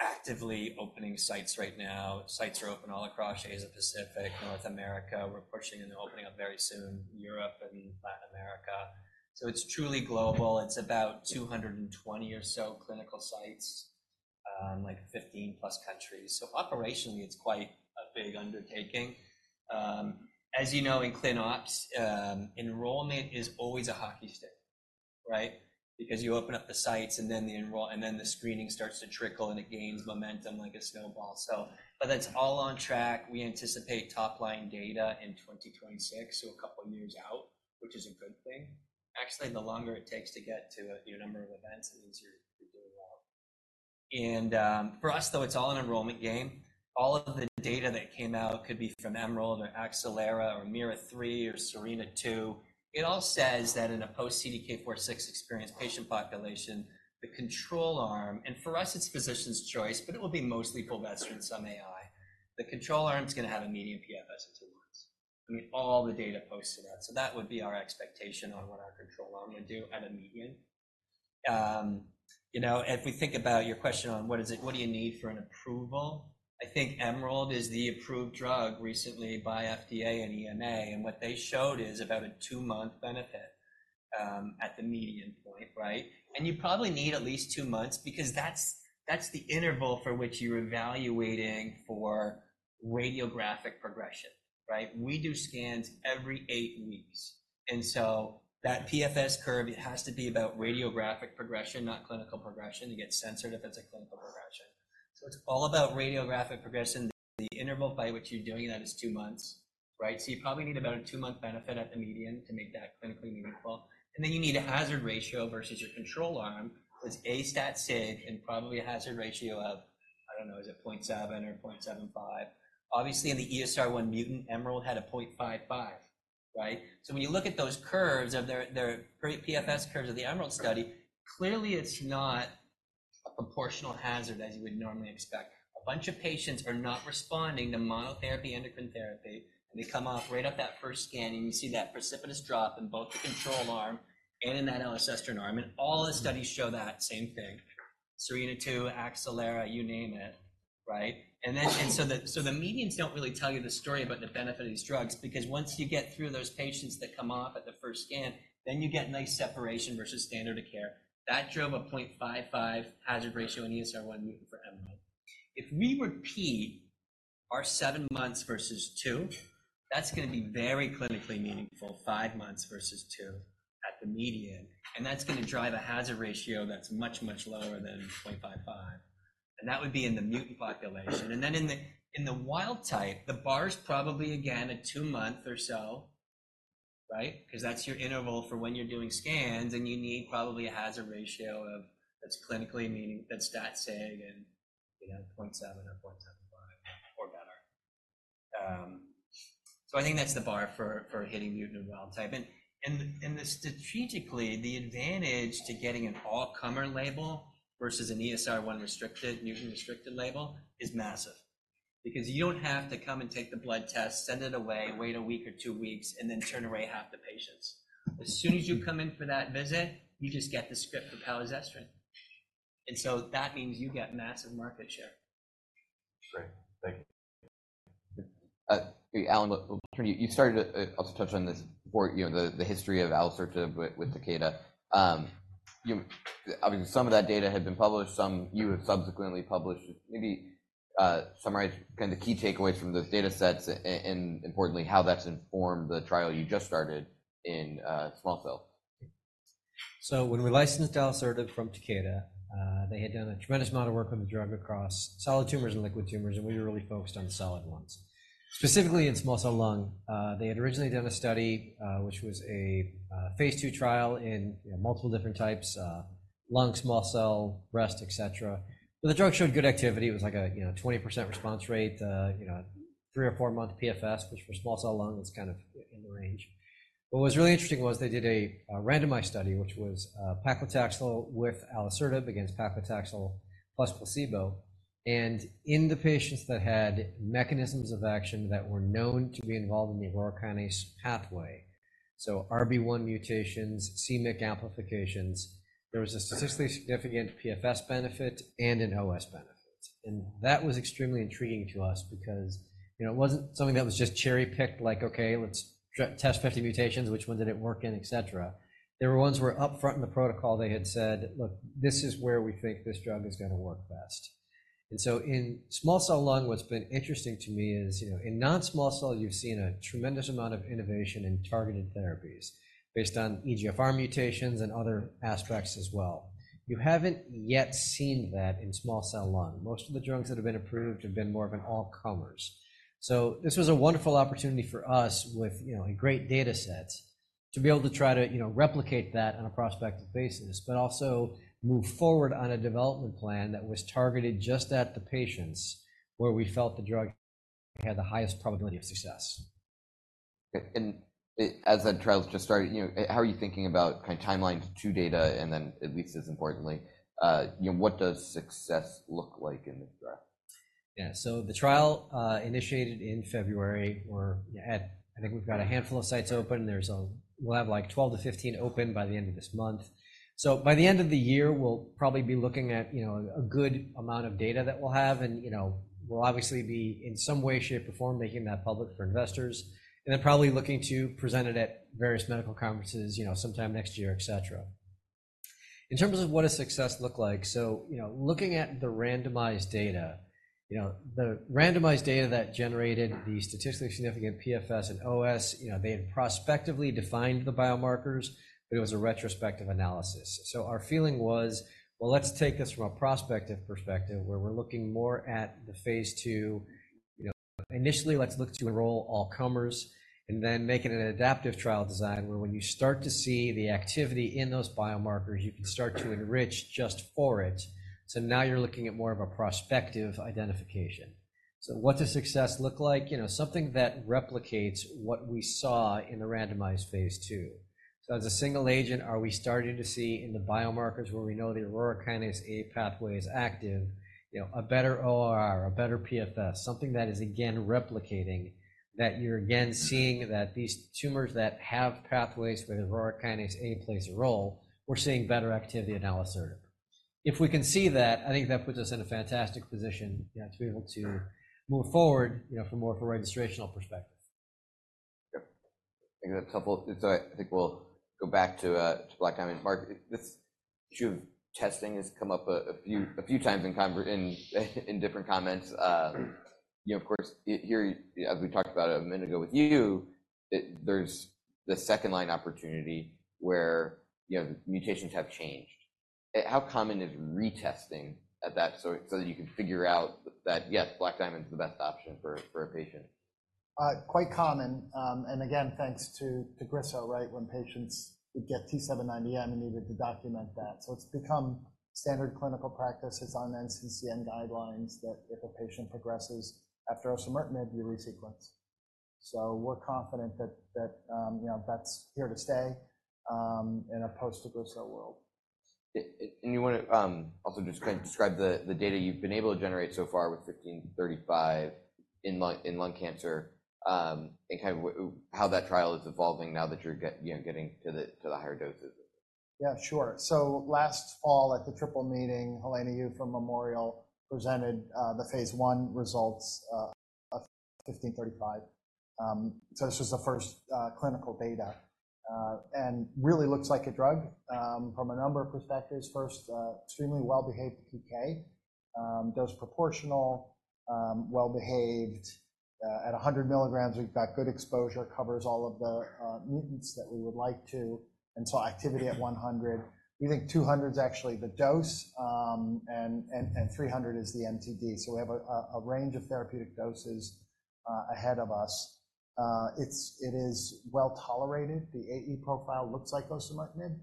actively opening sites right now. Sites are open all across Asia-Pacific, North America. We're pushing into opening up very soon Europe and Latin America. So it's truly global. It's about 220 or so clinical sites, like 15+ countries. So operationally, it's quite a big undertaking. As you know, in clin-ops, enrollment is always a hockey stick, right? Because you open up the sites, and then the enroll and then the screening starts to trickle, and it gains momentum like a snowball. So but that's all on track. We anticipate top-line data in 2026, so a couple of years out, which is a good thing. Actually, the longer it takes to get to a, you know, number of events, it means you're, you're doing well. For us, though, it's all an enrollment game. All of the data that came out could be from Emerald or acelERA or AMEERA-3 or SERENA-2. It all says that in a post-CDK4/6 experienced patient population, the control arm, and for us, it's physician's choice, but it will be mostly Faslodex, some AI. The control arm's going to have a median PFS in 2 months. I mean, all the data points to that. So that would be our expectation on what our control arm would do at a median. You know, if we think about your question on what is it, what do you need for an approval? I think Emerald is the approved drug recently by FDA and EMA. And what they showed is about a 2-month benefit, at the median point, right? You probably need at least two months because that's, that's the interval for which you're evaluating for radiographic progression, right? We do scans every eight weeks. And so that PFS curve, it has to be about radiographic progression, not clinical progression. It gets censored if it's a clinical progression. So it's all about radiographic progression. The interval by which you're doing that is two months, right? So you probably need about a two-month benefit at the median to make that clinically meaningful. And then you need a hazard ratio versus your control arm that's stat-sig and probably a hazard ratio of, I don't know, is it 0.7 or 0.75? Obviously, in the ESR1 mutant, Emerald had a 0.55, right? So when you look at those curves of their, their PFS curves of the Emerald study, clearly, it's not a proportional hazard as you would normally expect. A bunch of patients are not responding to monotherapy, endocrine therapy. They come off right at that first scan, and you see that precipitous drop in both the control arm and in that elacestrant arm. All the studies show that same thing: SERENA-2, AstraZeneca, you name it, right? Then the medians don't really tell you the story about the benefit of these drugs because once you get through those patients that come off at the first scan, then you get nice separation versus standard of care. That drove a 0.55 hazard ratio in ESR1 mutant for EMERALD. If we repeat our 7 months versus 2, that's going to be very clinically meaningful, 5 months versus 2 at the median. That's going to drive a hazard ratio that's much, much lower than 0.55. That would be in the mutant population. And then in the wild type, the bar's probably, again, a two-month or so, right? Because that's your interval for when you're doing scans, and you need probably a hazard ratio that's clinically meaning that's STAT-safe and, you know, 0.7 or 0.75 or better. So I think that's the bar for hitting mutant and wild type. And strategically, the advantage to getting an all-comer label versus an ESR1 restricted, mutant-restricted label is massive because you don't have to come and take the blood test, send it away, wait a week or two weeks, and then turn away half the patients. As soon as you come in for that visit, you just get the script for palazestrant. And so that means you get massive market share. Great. Thank you. Alan, we'll turn to you. You started to also touch on this before, you know, the history of alisertib with Takeda. You obviously, some of that data had been published. Some you had subsequently published. Maybe, summarize kind of the key takeaways from those data sets and, and importantly, how that's informed the trial you just started in small cell. So when we licensed alisertib from Takeda, they had done a tremendous amount of work with the drug across solid tumors and liquid tumors. And we were really focused on solid ones, specifically in small cell lung. They had originally done a study, which was a phase 2 trial in, you know, multiple different types, lung, small cell, breast, etc. But the drug showed good activity. It was like a, you know, 20% response rate, you know, 3- or 4-month PFS, which for small cell lung, it's kind of in the range. What was really interesting was they did a randomized study, which was paclitaxel with alisertib against paclitaxel plus placebo. And in the patients that had mechanisms of action that were known to be involved in the Aurora kinase pathway, so RB1 mutations, c-Myc amplifications, there was a statistically significant PFS benefit and an OS benefit. That was extremely intriguing to us because, you know, it wasn't something that was just cherry-picked like, "Okay, let's test 50 mutations. Which one did it work in?" etc. There were ones where up front in the protocol, they had said, "Look, this is where we think this drug is going to work best." And so in small cell lung, what's been interesting to me is, you know, in non-small cell, you've seen a tremendous amount of innovation in targeted therapies based on EGFR mutations and other aspects as well. You haven't yet seen that in small cell lung. Most of the drugs that have been approved have been more of an all-comers. This was a wonderful opportunity for us with, you know, a great data set to be able to try to, you know, replicate that on a prospective basis but also move forward on a development plan that was targeted just at the patients where we felt the drug had the highest probability of success. Okay. And as that trial's just started, you know, how are you thinking about kind of timeline to data, and then at least as importantly, you know, what does success look like in this draft? Yeah. So the trial, initiated in February, where at, I think, we've got a handful of sites open. There's a we'll have like 12-15 open by the end of this month. So by the end of the year, we'll probably be looking at, you know, a good amount of data that we'll have. And, you know, we'll obviously be in some way, shape, or form making that public for investors and then probably looking to present it at various medical conferences, you know, sometime next year, etc. In terms of what does success look like? So, you know, looking at the randomized data, you know, the randomized data that generated the statistically significant PFS and OS, you know, they had prospectively defined the biomarkers, but it was a retrospective analysis. So our feeling was, well, let's take this from a prospective perspective where we're looking more at the phase 2. You know, initially, let's look to enroll all-comers and then make it an adaptive trial design where when you start to see the activity in those biomarkers, you can start to enrich just for it. So now you're looking at more of a prospective identification. So what does success look like? You know, something that replicates what we saw in the randomized phase 2. So as a single agent, are we starting to see in the biomarkers where we know the Aurora kinase A pathway is active, you know, a better ORR, a better PFS, something that is, again, replicating that you're again seeing that these tumors that have pathways where the Aurora kinase A plays a role, we're seeing better activity in alisertib. If we can see that, I think that puts us in a fantastic position, you know, to be able to move forward, you know, from more of a registrational perspective. Yeah. I think that's helpful. So I think we'll go back to Black Diamond's Mark. This issue of testing has come up a few times in conversations in different comments. You know, of course, here, as we talked about a minute ago with you, there's the second line opportunity where, you know, the mutations have changed. How common is retesting at that so that you can figure out that, yes, Black Diamond's the best option for a patient? Quite common. And again, thanks to, to Tagrisso, right, when patients would get T790M and needed to document that. So it's become standard clinical practices on NCCN guidelines that if a patient progresses after osimertinib, you resequence. So we're confident that, that, you know, that's here to stay, in a post-Tagrisso world. You want to also just kind of describe the data you've been able to generate so far with 1535 in lung cancer, and kind of how that trial is evolving now that you're, you know, getting to the higher doses? Yeah, sure. So last fall at the Triple Meeting, Helena Yu from Memorial presented the phase 1 results of BDTX-1535. So this was the first clinical data. And really looks like a drug from a number of perspectives. First, extremely well-behaved PK, dose proportional, well-behaved at 100 milligrams. We've got good exposure. It covers all of the mutants that we would like to. And so activity at 100. We think 200's actually the dose and 300 is the MTD. So we have a range of therapeutic doses ahead of us. It is well-tolerated. The AE profile looks like osimertinib.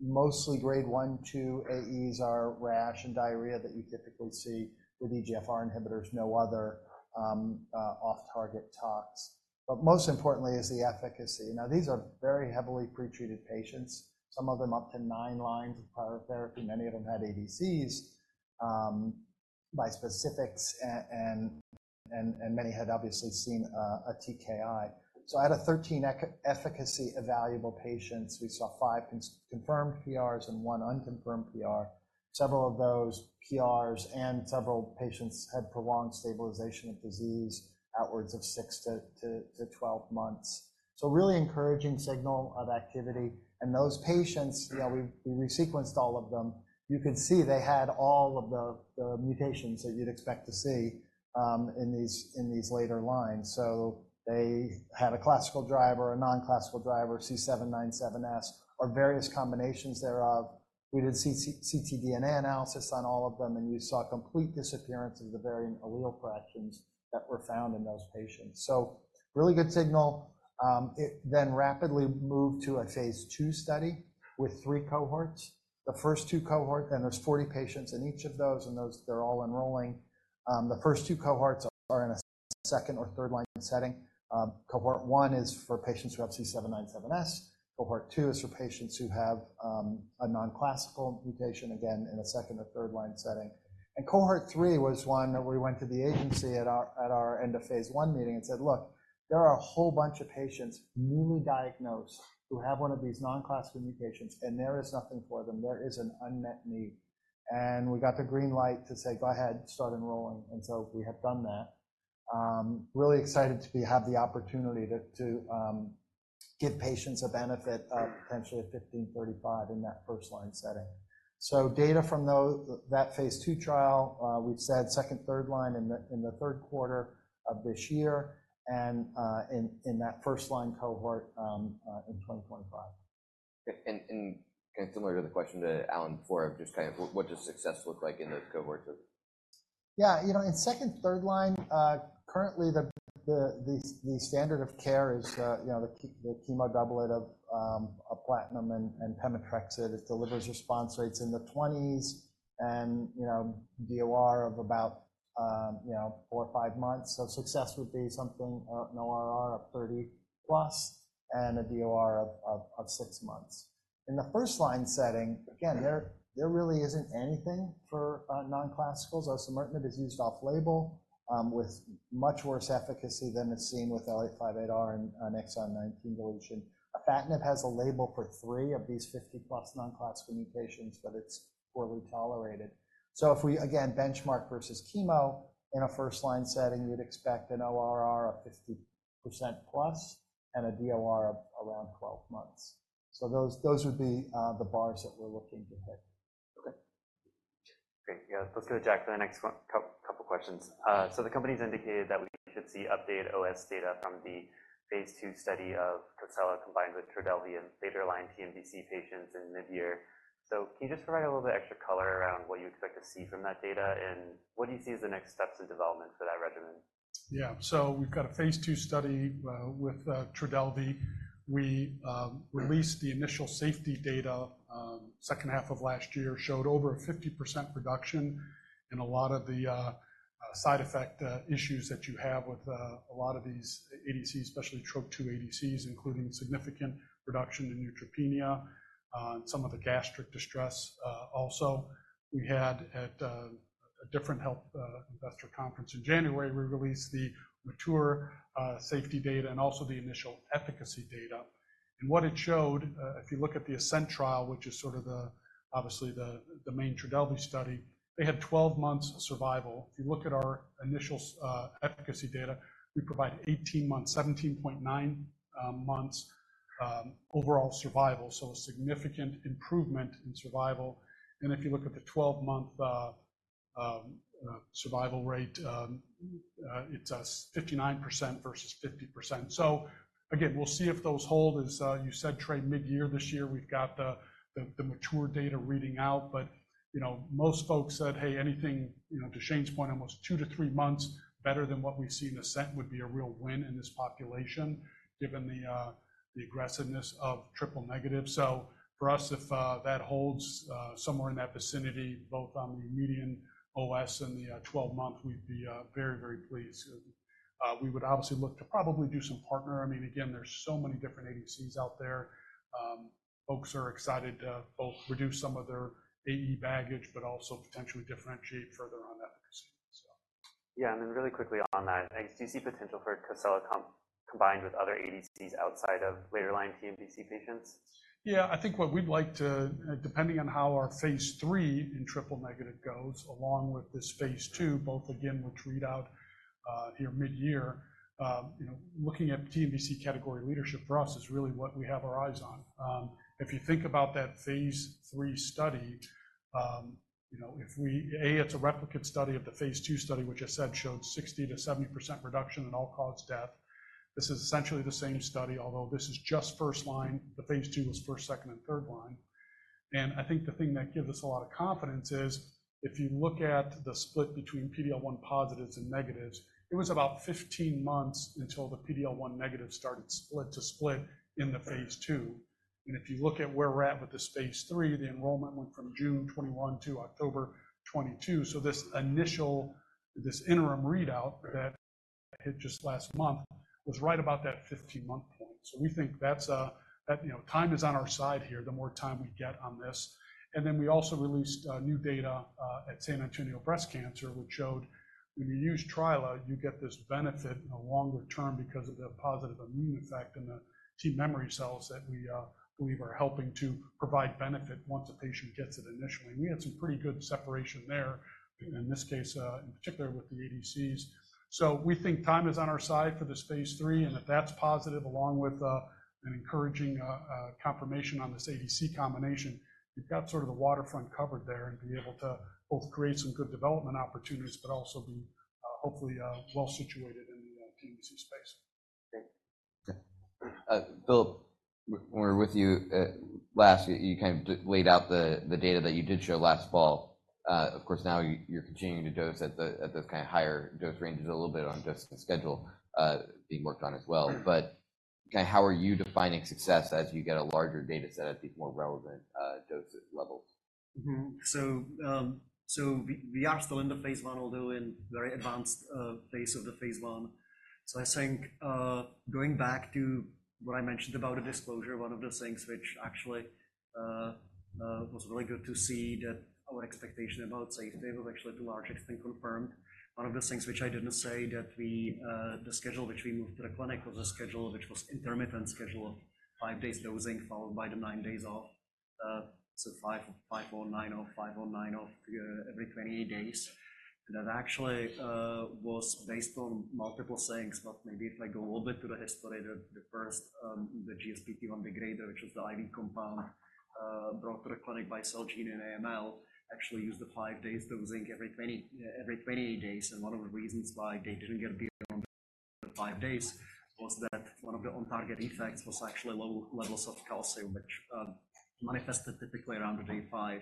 Mostly grade 1-2 AEs are rash and diarrhea that you typically see with EGFR inhibitors, no other off-target tox. But most importantly is the efficacy. Now, these are very heavily pretreated patients, some of them up to 9 lines of prior therapy. Many of them had ADCs, bispecifics. Many had obviously seen a TKI. So out of 13 efficacy evaluable patients, we saw five confirmed PRs and one unconfirmed PR. Several of those PRs and several patients had prolonged stabilization of disease outwards of six to 12 months. So really encouraging signal of activity. And those patients, you know, we resequenced all of them. You could see they had all of the mutations that you'd expect to see in these later lines. So they had a classical driver, a non-classical driver, C797S, or various combinations thereof. We did ctDNA analysis on all of them, and you saw complete disappearance of the variant allele fractions that were found in those patients. So really good signal. It then rapidly moved to a phase two study with three cohorts. The first two cohorts, and there's 40 patients in each of those, and those they're all enrolling. The first two cohorts are in a second- or third-line setting. Cohort one is for patients who have C797S. Cohort two is for patients who have a non-classical mutation, again, in a second- or third-line setting. Cohort three was one that we went to the agency at our end-of-phase-1 meeting and said, "Look, there are a whole bunch of patients newly diagnosed who have one of these non-classical mutations, and there is nothing for them. There is an unmet need." And we got the green light to say, "Go ahead, start enrolling." And so we have done that. Really excited to have the opportunity to give patients a benefit of potentially a 1535 in that first-line setting. Data from that phase 2 trial, we've said second-, third-line in the third quarter of this year and in that first-line cohort, in 2025. And kind of similar to the question to Alan before, of just kind of what does success look like in those cohorts of? Yeah, you know, in second- and third-line, currently, the standard of care is, you know, the chemo doublet of platinum and pemetrexed. It delivers response rates in the 20s and, you know, DOR of about, you know, 4 or 5 months. So success would be something an ORR of 30+ and a DOR of 6 months. In the first-line setting, again, there really isn't anything for non-classicals. Osimertinib is used off-label, with much worse efficacy than it's seen with L858R and Exon 19 deletion. Afatinib has a label for three of these 50+ non-classical mutations, but it's poorly tolerated. So if we, again, benchmark versus chemo in a first-line setting, you'd expect an ORR of 50%+ and a DOR of around 12 months. So those would be the bars that we're looking to hit. Okay. Great. Yeah. Let's go to Jack for the next couple of questions. So the company's indicated that we should see updated OS data from the phase 2 study of Cosela combined with Trodelvy and later line mTNBC patients in mid-year. So can you just provide a little bit of extra color around what you expect to see from that data and what do you see as the next steps in development for that regimen? Yeah. So we've got a phase 2 study with Trodelvy. We released the initial safety data second half of last year, showed over a 50% reduction in a lot of the side effect issues that you have with a lot of these ADCs, especially Trop-2 ADCs, including significant reduction in neutropenia, some of the gastric distress, also. We had at a different health investor conference in January, we released the mature safety data and also the initial efficacy data. And what it showed, if you look at the ASCENT trial, which is sort of obviously the main Trodelvy study, they had 12 months of survival. If you look at our initial efficacy data, we provide 18 months, 17.9 months, overall survival. So a significant improvement in survival. And if you look at the 12-month survival rate, it's 59% versus 50%. So again, we'll see if those hold as, you said, trade mid-year this year. We've got the mature data reading out. But, you know, most folks said, "Hey, anything, you know, to Shane's point, almost 2-3 months better than what we see in ASCENT would be a real win in this population given the aggressiveness of triple negative." So for us, if that holds, somewhere in that vicinity, both on the median OS and the 12-month, we'd be very, very pleased. We would obviously look to probably do some partner. I mean, again, there's so many different ADCs out there. Folks are excited to both reduce some of their AE baggage, but also potentially differentiate further on efficacy. Yeah. And then really quickly on that, do you see potential for Cosela combined with other ADCs outside of later line mTNBC patients? Yeah. I think what we'd like to, depending on how our phase 3 in triple-negative goes along with this phase 2, both again, which read out here mid-year, you know, looking at mTNBC category leadership for us is really what we have our eyes on. If you think about that phase 3 study, you know, if we, it's a replicate study of the phase 2 study, which I said showed 60%-70% reduction in all-cause death. This is essentially the same study, although this is just first line. The phase 2 was first, second, and third line. And I think the thing that gives us a lot of confidence is if you look at the split between PD-L1 positives and negatives, it was about 15 months until the PD-L1 negative started split to split in the phase 2. If you look at where we're at with this phase 3, the enrollment went from June 21 to October 22. So this initial, this interim readout that hit just last month was right about that 15-month point. So we think that's, that, you know, time is on our side here, the more time we get on this. And then we also released, new data, at San Antonio Breast Cancer, which showed when you use trilaciclib, you get this benefit in a longer term because of the positive immune effect in the T memory cells that we, believe are helping to provide benefit once a patient gets it initially. And we had some pretty good separation there in this case, in particular with the ADCs. So we think time is on our side for this phase 3 and that that's positive along with, an encouraging, confirmation on this ADC combination. You've got sort of the waterfront covered there and be able to both create some good development opportunities, but also be, hopefully, well-situated in the mTNBC space. Great. Phil, when we were with you last, you kind of laid out the data that you did show last fall. Of course, now you're continuing to dose at those kind of higher dose ranges, a little bit on dosing schedule being worked on as well. But kind of how are you defining success as you get a larger data set at these more relevant dose levels? Mm-hmm. So, we are still in the phase one, although in very advanced phase of the phase one. So I think, going back to what I mentioned about the disclosure, one of the things which actually was really good to see that our expectation about safety was actually to large extent confirmed. One of the things which I didn't say that we, the schedule which we moved to the clinic was a schedule which was intermittent schedule of 5 days dosing followed by the 9 days off. So 5 on 9 off, 5 on 9 off, every 28 days. And that actually was based on multiple things. But maybe if I go a little bit to the history, the first GSPT1 degrader, which was the IV compound, brought to the clinic by Celgene and AML, actually used the 5 days dosing every 28 days. One of the reasons why they didn't get beyond the five days was that one of the on-target effects was actually low levels of calcium, which manifested typically around day five.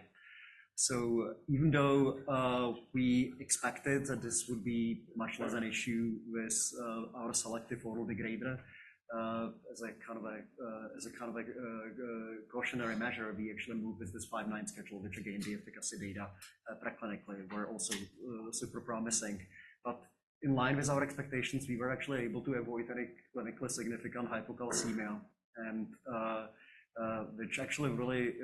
So even though we expected that this would be much less an issue with our selective oral degrader, as a kind of cautionary measure, we actually moved with this 5/9 schedule, which again, the efficacy data pre-clinically were also super promising. But in line with our expectations, we were actually able to avoid any clinically significant hypocalcemia. And which actually really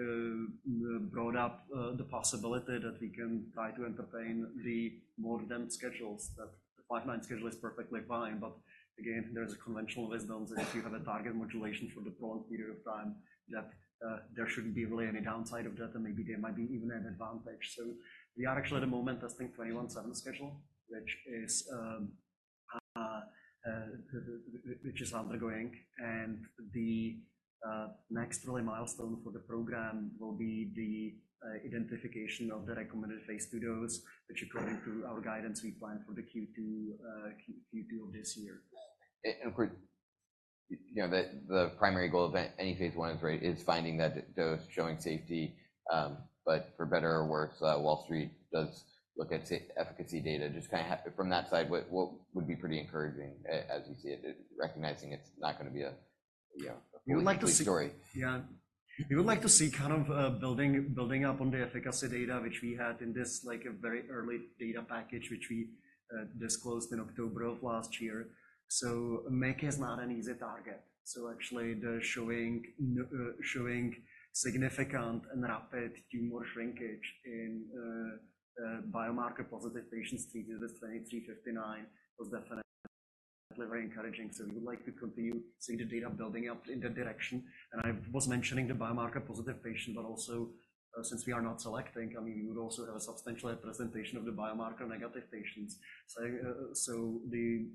brought up the possibility that we can try to entertain the more dense schedules. That the 5/9 schedule is perfectly fine. But again, there's a conventional wisdom that if you have a target modulation for the prolonged period of time, that there shouldn't be really any downside of that and maybe there might be even an advantage. So we are actually at the moment testing 21/7 schedule, which is undergoing. And the next really milestone for the program will be the identification of the recommended phase two dose, which according to our guidance, we plan for the Q2, Q2 of this year. Of course, you know, the primary goal of any phase 1 is, right, finding that dose showing safety. But for better or worse, Wall Street does look at some efficacy data. Just kind of from that side, what would be pretty encouraging as you see it, recognizing it's not going to be a, you know, a few weeks' story? We would like to see, yeah. We would like to see kind of building up on the efficacy data, which we had in this like a very early data package, which we disclosed in October of last year. So Myc is not an easy target. So actually the showing significant and rapid tumor shrinkage in biomarker-positive patients treated with 2359 was definitely very encouraging. So we would like to continue seeing the data building up in that direction. And I was mentioning the biomarker-positive patient, but also, since we are not selecting, I mean, we would also have a substantial representation of the biomarker-negative patients. So the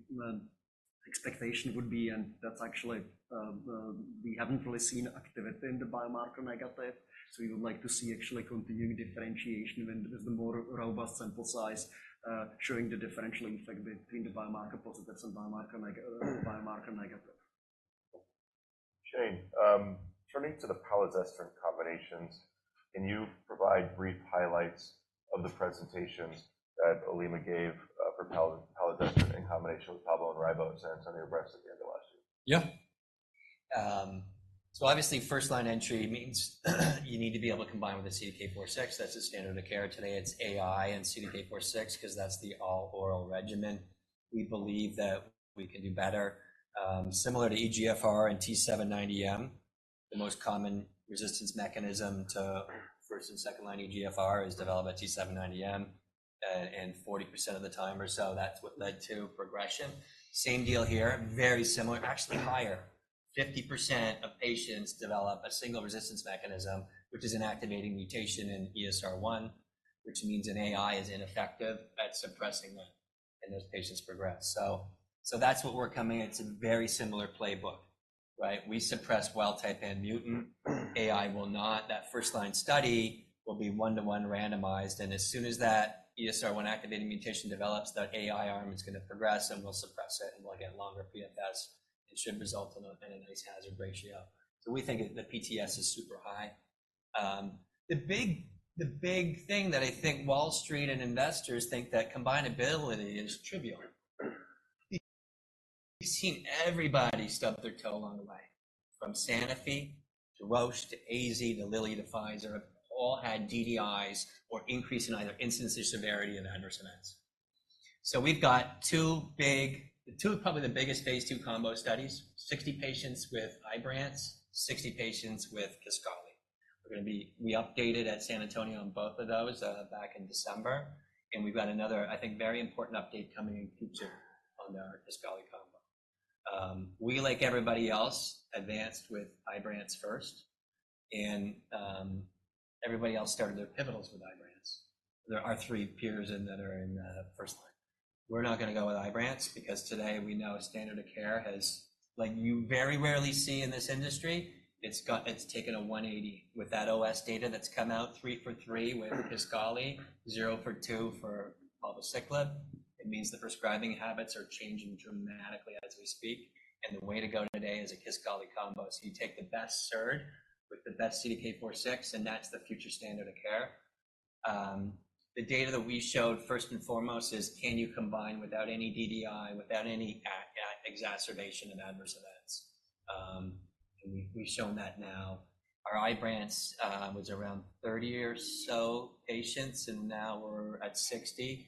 expectation would be, and that's actually we haven't really seen activity in the biomarker-negative. So we would like to see actually continuing differentiation with the more robust sample size, showing the differential effect between the biomarker-positives and biomarker-negative. Shane, turning to the palazestrant combinations, can you provide brief highlights of the presentations that Olema gave, for palazestrant in combination with Palbo and Ribo at San Antonio Breast at the end of last year? Yeah. So obviously first line entry means you need to be able to combine with the CDK4/6. That's the standard of care today. It's AI and CDK4/6 because that's the all-oral regimen. We believe that we can do better. Similar to EGFR and T790M, the most common resistance mechanism to first and second line EGFR is development T790M. And 40% of the time or so, that's what led to progression. Same deal here, very similar, actually higher. 50% of patients develop a single resistance mechanism, which is an activating mutation in ESR1, which means an AI is ineffective at suppressing that and those patients progress. So that's what we're coming at. It's a very similar playbook, right? We suppress wild-type and mutant. AI will not. That first line study will be 1:1 randomized. And as soon as that ESR1 activating mutation develops, that AI arm is going to progress and we'll suppress it and we'll get longer PFS. It should result in a, in a nice hazard ratio. So we think that the PTS is super high. The big, the big thing that I think Wall Street and investors think that combinability is trivial. We've seen everybody stub their toe along the way, from Sanofi to Roche to AZ to Lilly to Pfizer, all had DDIs or increase in either incidence, severity, and adverse events. So we've got two big, the two probably the biggest phase 2 combo studies, 60 patients with Ibrance, 60 patients with Kisqali. We're going to be we updated at San Antonio on both of those, back in December. And we've got another, I think, very important update coming in the future on our Kisqali combo. We, like everybody else, advanced with Ibrance first. Everybody else started their pivotal with Ibrance. There are three peers in that are in first-line. We're not going to go with Ibrance because today we know standard of care has, like you very rarely see in this industry, it's got, it's taken a 180. With that OS data that's come out, 3 for 3 with Kisqali, 0 for 2 for palbociclib, it means the prescribing habits are changing dramatically as we speak. The way to go today is a Kisqali combo. So you take the best SERD with the best CDK4/6, and that's the future standard of care. The data that we showed first and foremost is can you combine without any DDI, without any exacerbation of adverse events? And we, we've shown that now. Our Ibrance was around 30 or so patients, and now we're at 60.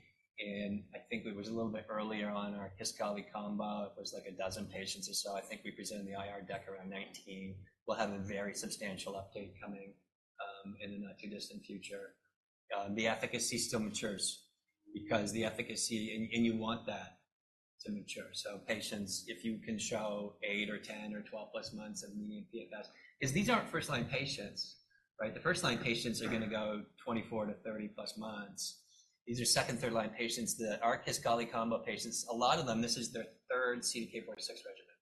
I think it was a little bit earlier on our Kisqali combo. It was like a dozen patients or so. I think we presented the IR deck around 2019. We'll have a very substantial update coming in the not too distant future. The efficacy still matures because the efficacy and you want that to mature. So patients, if you can show 8 or 10 or 12+ months of median PFS, because these aren't first line patients, right? The first line patients are going to go 24-30+ months. These are second, third line patients that our Kisqali combo patients, a lot of them, this is their third CDK4/6 regimen,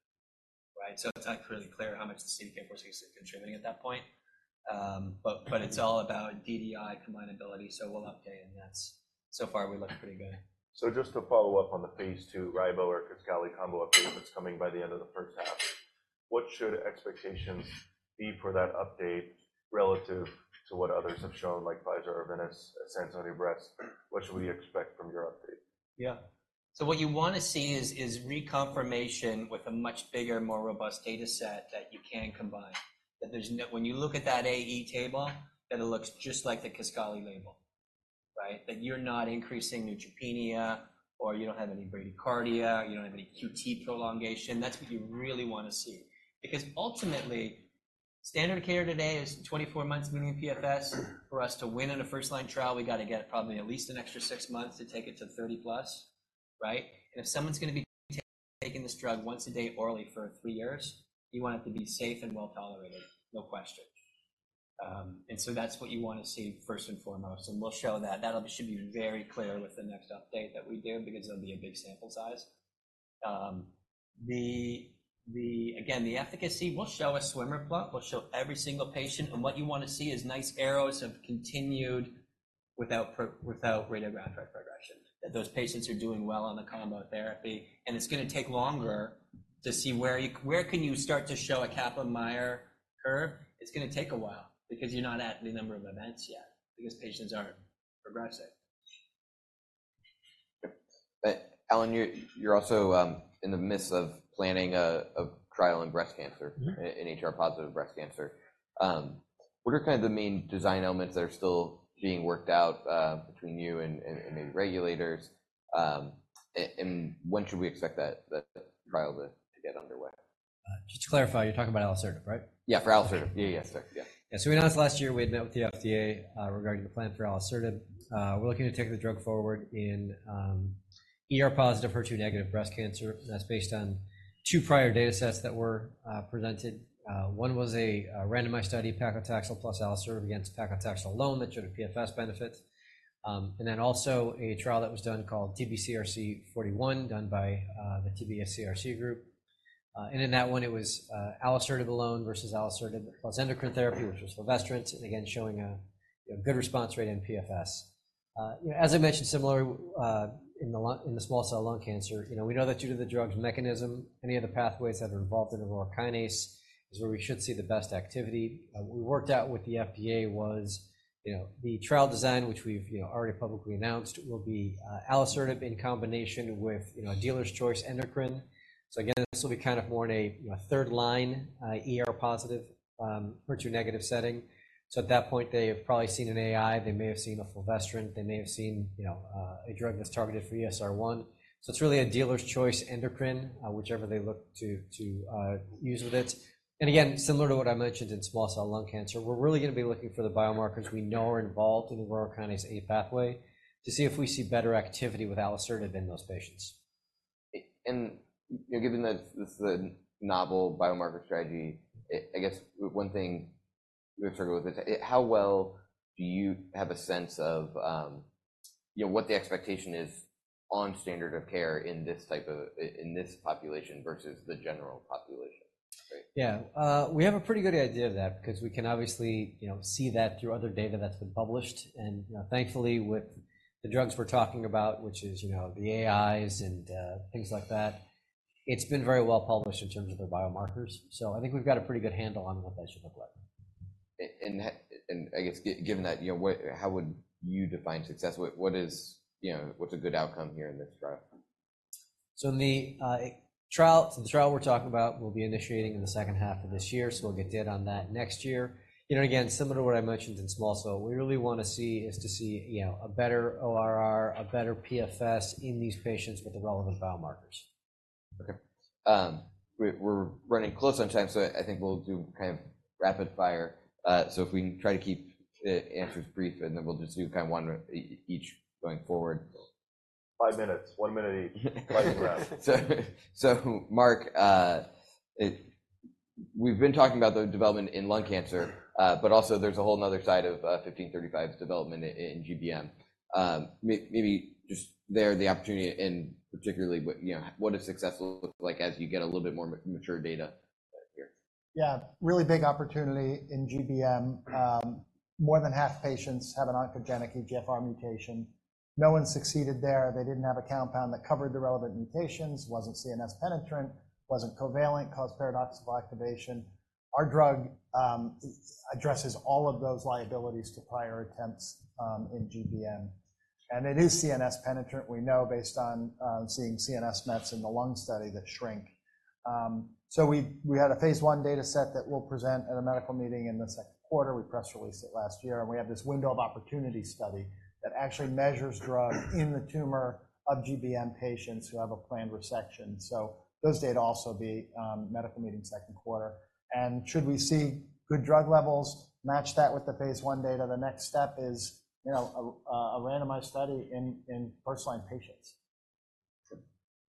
right? So it's not clearly clear how much the CDK4/6 is contributing at that point. But it's all about DDI combinability. So we'll update. And that's so far we look pretty good. So just to follow up on the phase 2, Ribo or Kisqali combo update that's coming by the end of the first half, what should expectations be for that update relative to what others have shown, like Pfizer or Arvinas at San Antonio Breast? What should we expect from your update? Yeah. So what you want to see is reconfirmation with a much bigger, more robust data set that you can combine, that there's no when you look at that AE table, that it looks just like the Kisqali label, right? That you're not increasing neutropenia or you don't have any bradycardia, you don't have any QT prolongation. That's what you really want to see. Because ultimately, standard of care today is 24 months median PFS. For us to win in a first line trial, we got to get probably at least an extra six months to take it to 30+, right? And if someone's going to be taking this drug once a day orally for three years, you want it to be safe and well-tolerated, no question. So that's what you want to see first and foremost. And we'll show that. That should be very clear with the next update that we do because it'll be a big sample size. The efficacy, we'll show a swimmer plot. We'll show every single patient. And what you want to see is nice arrows of continued without radiographic progression, that those patients are doing well on the combo therapy. And it's going to take longer to see where you can start to show a Kaplan-Meier curve? It's going to take a while because you're not at the number of events yet because patients aren't progressing. Allen, you're also in the midst of planning a trial in breast cancer, an HR-positive breast cancer. What are kind of the main design elements that are still being worked out between you and maybe regulators? And when should we expect that trial to get underway? Just to clarify, you're talking about Alisertib, right? Yeah, for Alisertib. Yeah, yeah, sir. Yeah. Yeah. So we announced last year we had met with the FDA regarding the plan for Alisertib. We're looking to take the drug forward in ER-positive HER2-negative breast cancer. That's based on two prior data sets that were presented. One was a randomized study, paclitaxel plus Alisertib against paclitaxel alone that showed a PFS benefit. And then also a trial that was done called TBCRC 041 done by the TBCRC group. And in that one, it was Alisertib alone versus Alisertib plus endocrine therapy, which was fulvestrant, and again showing a good response rate in PFS. You know, as I mentioned, similarly in the small cell lung cancer, you know, we know that due to the drug's mechanism, any of the pathways that are involved in Aurora Kinase is where we should see the best activity. What we worked out with the FDA was, you know, the trial design, which we've, you know, already publicly announced, will be, alisertib in combination with, you know, a dealer's choice endocrine. So again, this will be kind of more in a, you know, third line, ER-positive, HER2-negative setting. So at that point, they have probably seen an AI. They may have seen a Fulvestrant. They may have seen, you know, a drug that's targeted for ESR1. So it's really a dealer's choice endocrine, whichever they look to, to, use with it. And again, similar to what I mentioned in small cell lung cancer, we're really going to be looking for the biomarkers we know are involved in Aurora Kinase A pathway to see if we see better activity with alisertib in those patients. You know, given that this is a novel biomarker strategy, I guess one thing we struggle with is how well do you have a sense of, you know, what the expectation is on standard of care in this type of in this population versus the general population, right? Yeah, we have a pretty good idea of that because we can obviously, you know, see that through other data that's been published. And, you know, thankfully with the drugs we're talking about, which is, you know, the AIs and, things like that, it's been very well published in terms of their biomarkers. So I think we've got a pretty good handle on what that should look like. I guess given that, you know, what, how would you define success? What is, you know, what's a good outcome here in this trial? So in the trial we're talking about, we'll be initiating in the second half of this year. So we'll get data on that next year. You know, and again, similar to what I mentioned in small cell, what we really want to see is to see, you know, a better ORR, a better PFS in these patients with the relevant biomarkers. Okay. We're running close on time, so I think we'll do kind of rapid fire. So if we can try to keep the answers brief, and then we'll just do kind of one each going forward. 5 minutes. 1 minute each. 5 breaths. So, Mark, we've been talking about the development in lung cancer, but also there's a whole nother side of 1535's development in GBM. Maybe just there, the opportunity and particularly what, you know, what does success look like as you get a little bit more mature data here? Yeah. Really big opportunity in GBM. More than half patients have an oncogenic EGFR mutation. No one succeeded there. They didn't have a compound that covered the relevant mutations, wasn't CNS penetrant, wasn't covalent, caused paradoxical activation. Our drug addresses all of those liabilities to prior attempts in GBM. And it is CNS penetrant, we know, based on seeing CNS mets in the lung study that shrink. So we had a phase one data set that we'll present at a medical meeting in the second quarter. We press released it last year. And we have this window of opportunity study that actually measures drug in the tumor of GBM patients who have a planned resection. So those data also be medical meeting second quarter. Should we see good drug levels, match that with the phase 1 data, the next step is, you know, a randomized study in first-line patients.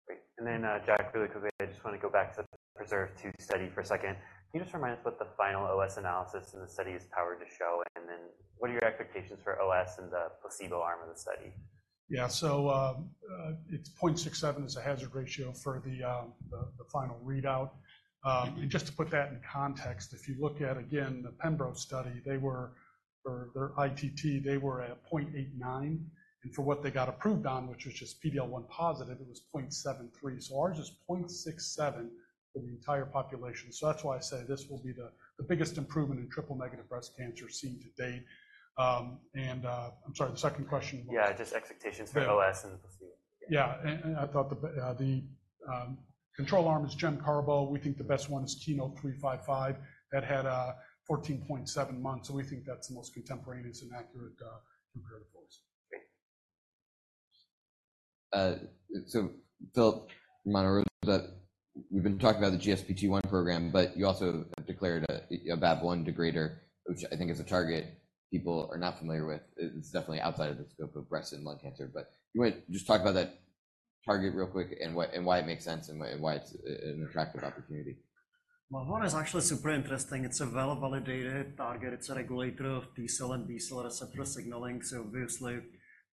Great. And then, Jack, really quickly, I just want to go back to the PRESERVE 2 study for a second. Can you just remind us what the final OS analysis in the study is powered to show? And then what are your expectations for OS and the placebo arm of the study? Yeah. So, it's 0.67 as a hazard ratio for the final readout. Just to put that in context, if you look at, again, the pembrolizumab study, they were for their ITT, they were at 0.89. For what they got approved on, which was just PDL1 positive, it was 0.73. So ours is 0.67 for the entire population. So that's why I say this will be the biggest improvement in triple-negative breast cancer seen to date. And, I'm sorry, the second question was. Yeah, just expectations for OS and the placebo. Yeah. And I thought the control arm is Gem Carbo. We think the best one is KEYNOTE-355. That had 14.7 months. So we think that's the most contemporaneous and accurate comparative force. Great. So, Filip, Monte Rosa, we've been talking about the GSPT1 program, but you also have declared a VAV1 degrader, which I think is a target people are not familiar with. It's definitely outside of the scope of breast and lung cancer. But you want to just talk about that target real quick and what, and why it makes sense and why it's an attractive opportunity? Well, one is actually super interesting. It's a well-validated target. It's a regulator of T-cell and B-cell receptor signaling. So obviously, a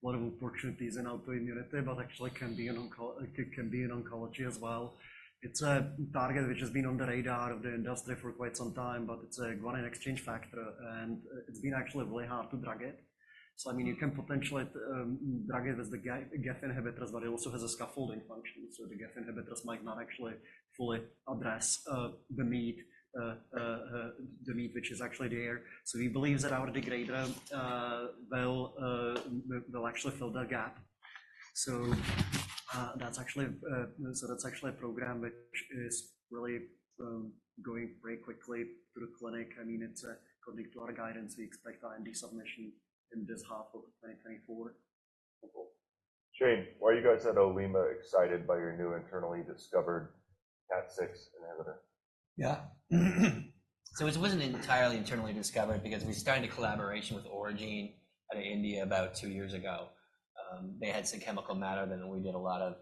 lot of opportunities in autoimmunity, but actually can be in oncology as well. It's a target which has been on the radar of the industry for quite some time, but it's a guanine exchange factor. It's been actually really hard to drug it. So, I mean, you can potentially drug it with the GAF inhibitors, but it also has a scaffolding function. So the GAF inhibitors might not actually fully address the meat, the meat which is actually there. So we believe that our degrader will actually fill that gap. So that's actually a program which is really going very quickly through the clinic. I mean, it's according to our guidance, we expect IND submission in this half of 2024. Great. While you guys at Olema excited by your new internally discovered KAT6 inhibitor. Yeah. So it wasn't entirely internally discovered because we started a collaboration with Aurigene out of India about two years ago. They had some chemical matter that we did a lot of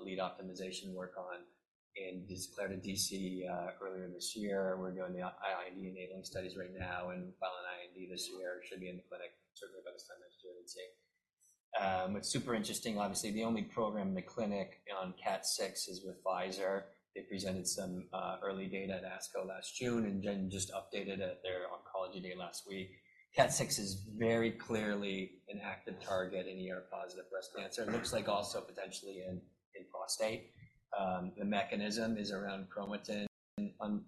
lead optimization work on and just filed IND earlier this year. We're doing the IND-enabling studies right now and filing IND this year. It should be in the clinic, certainly by this time next year, I'd say. What's super interesting, obviously, the only program in the clinic on KAT6 is with Pfizer. They presented some early data at ASCO last June and then just updated at their oncology day last week. KAT6 is very clearly an active target in ER-positive breast cancer. It looks like also potentially in prostate. The mechanism is around chromatin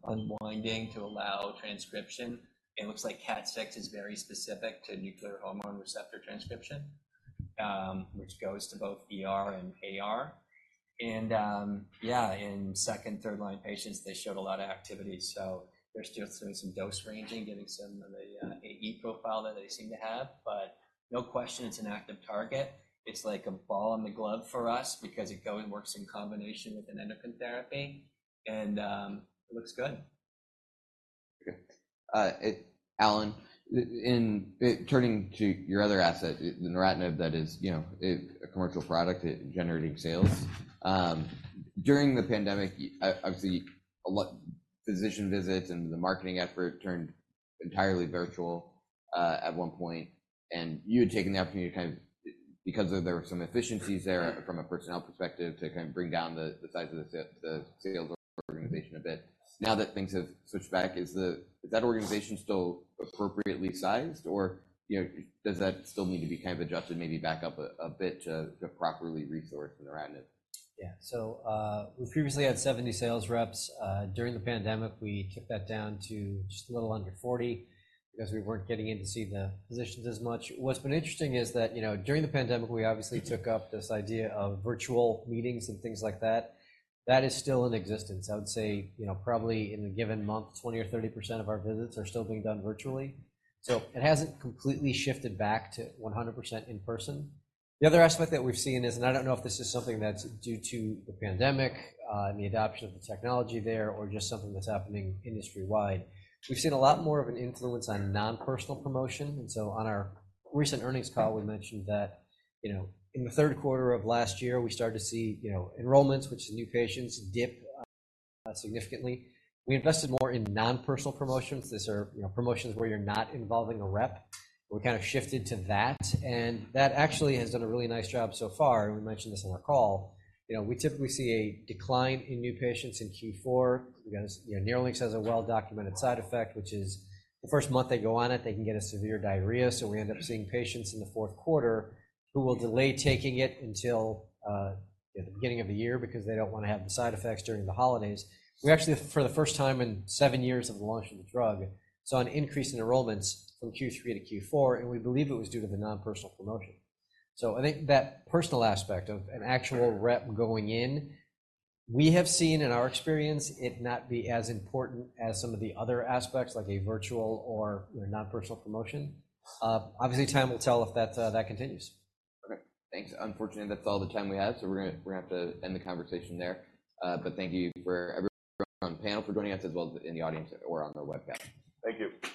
unwinding to allow transcription. It looks like KAT6 is very specific to nuclear hormone receptor transcription, which goes to both ER and AR. Yeah, in second- and third-line patients, they showed a lot of activity. So they're still doing some dose ranging, getting some of the AE profile that they seem to have. But no question, it's an active target. It's like a ball in the glove for us because it goes and works in combination with an endocrine therapy. And it looks good. Okay. Alan, in turning to your other asset, the neratinib that is, you know, a commercial product generating sales, during the pandemic, obviously, a lot of physician visits and the marketing effort turned entirely virtual, at one point. And you had taken the opportunity to kind of, because there were some efficiencies there from a personnel perspective, to kind of bring down the size of the sales organization a bit. Now that things have switched back, is that organization still appropriately sized, or, you know, does that still need to be kind of adjusted, maybe back up a bit to properly resource the neratinib? Yeah. So, we previously had 70 sales reps. During the pandemic, we took that down to just a little under 40 because we weren't getting in to see the physicians as much. What's been interesting is that, you know, during the pandemic, we obviously took up this idea of virtual meetings and things like that. That is still in existence. I would say, you know, probably in a given month, 20% or 30% of our visits are still being done virtually. So it hasn't completely shifted back to 100% in person. The other aspect that we've seen is, and I don't know if this is something that's due to the pandemic, and the adoption of the technology there, or just something that's happening industry-wide, we've seen a lot more of an influence on nonpersonal promotion. On our recent earnings call, we mentioned that, you know, in the third quarter of last year, we started to see, you know, enrollments, which is new patients, dip significantly. We invested more in nonpersonal promotions. These are, you know, promotions where you're not involving a rep. We kind of shifted to that. And that actually has done a really nice job so far. And we mentioned this on our call. You know, we typically see a decline in new patients in Q4. We got a, you know, Cosela has a well-documented side effect, which is the first month they go on it, they can get a severe diarrhea. So we end up seeing patients in the fourth quarter who will delay taking it until, you know, the beginning of the year because they don't want to have the side effects during the holidays. We actually, for the first time in seven years of the launch of the drug, saw an increase in enrollments from Q3 to Q4. We believe it was due to the nonpersonal promotion. I think that personal aspect of an actual rep going in, we have seen in our experience it not be as important as some of the other aspects, like a virtual or, you know, nonpersonal promotion. Obviously, time will tell if that, that continues. Okay. Thanks. Unfortunately, that's all the time we have. So we're going to have to end the conversation there. But thank you for everyone on the panel for joining us, as well as in the audience or on the webcast. Thank you.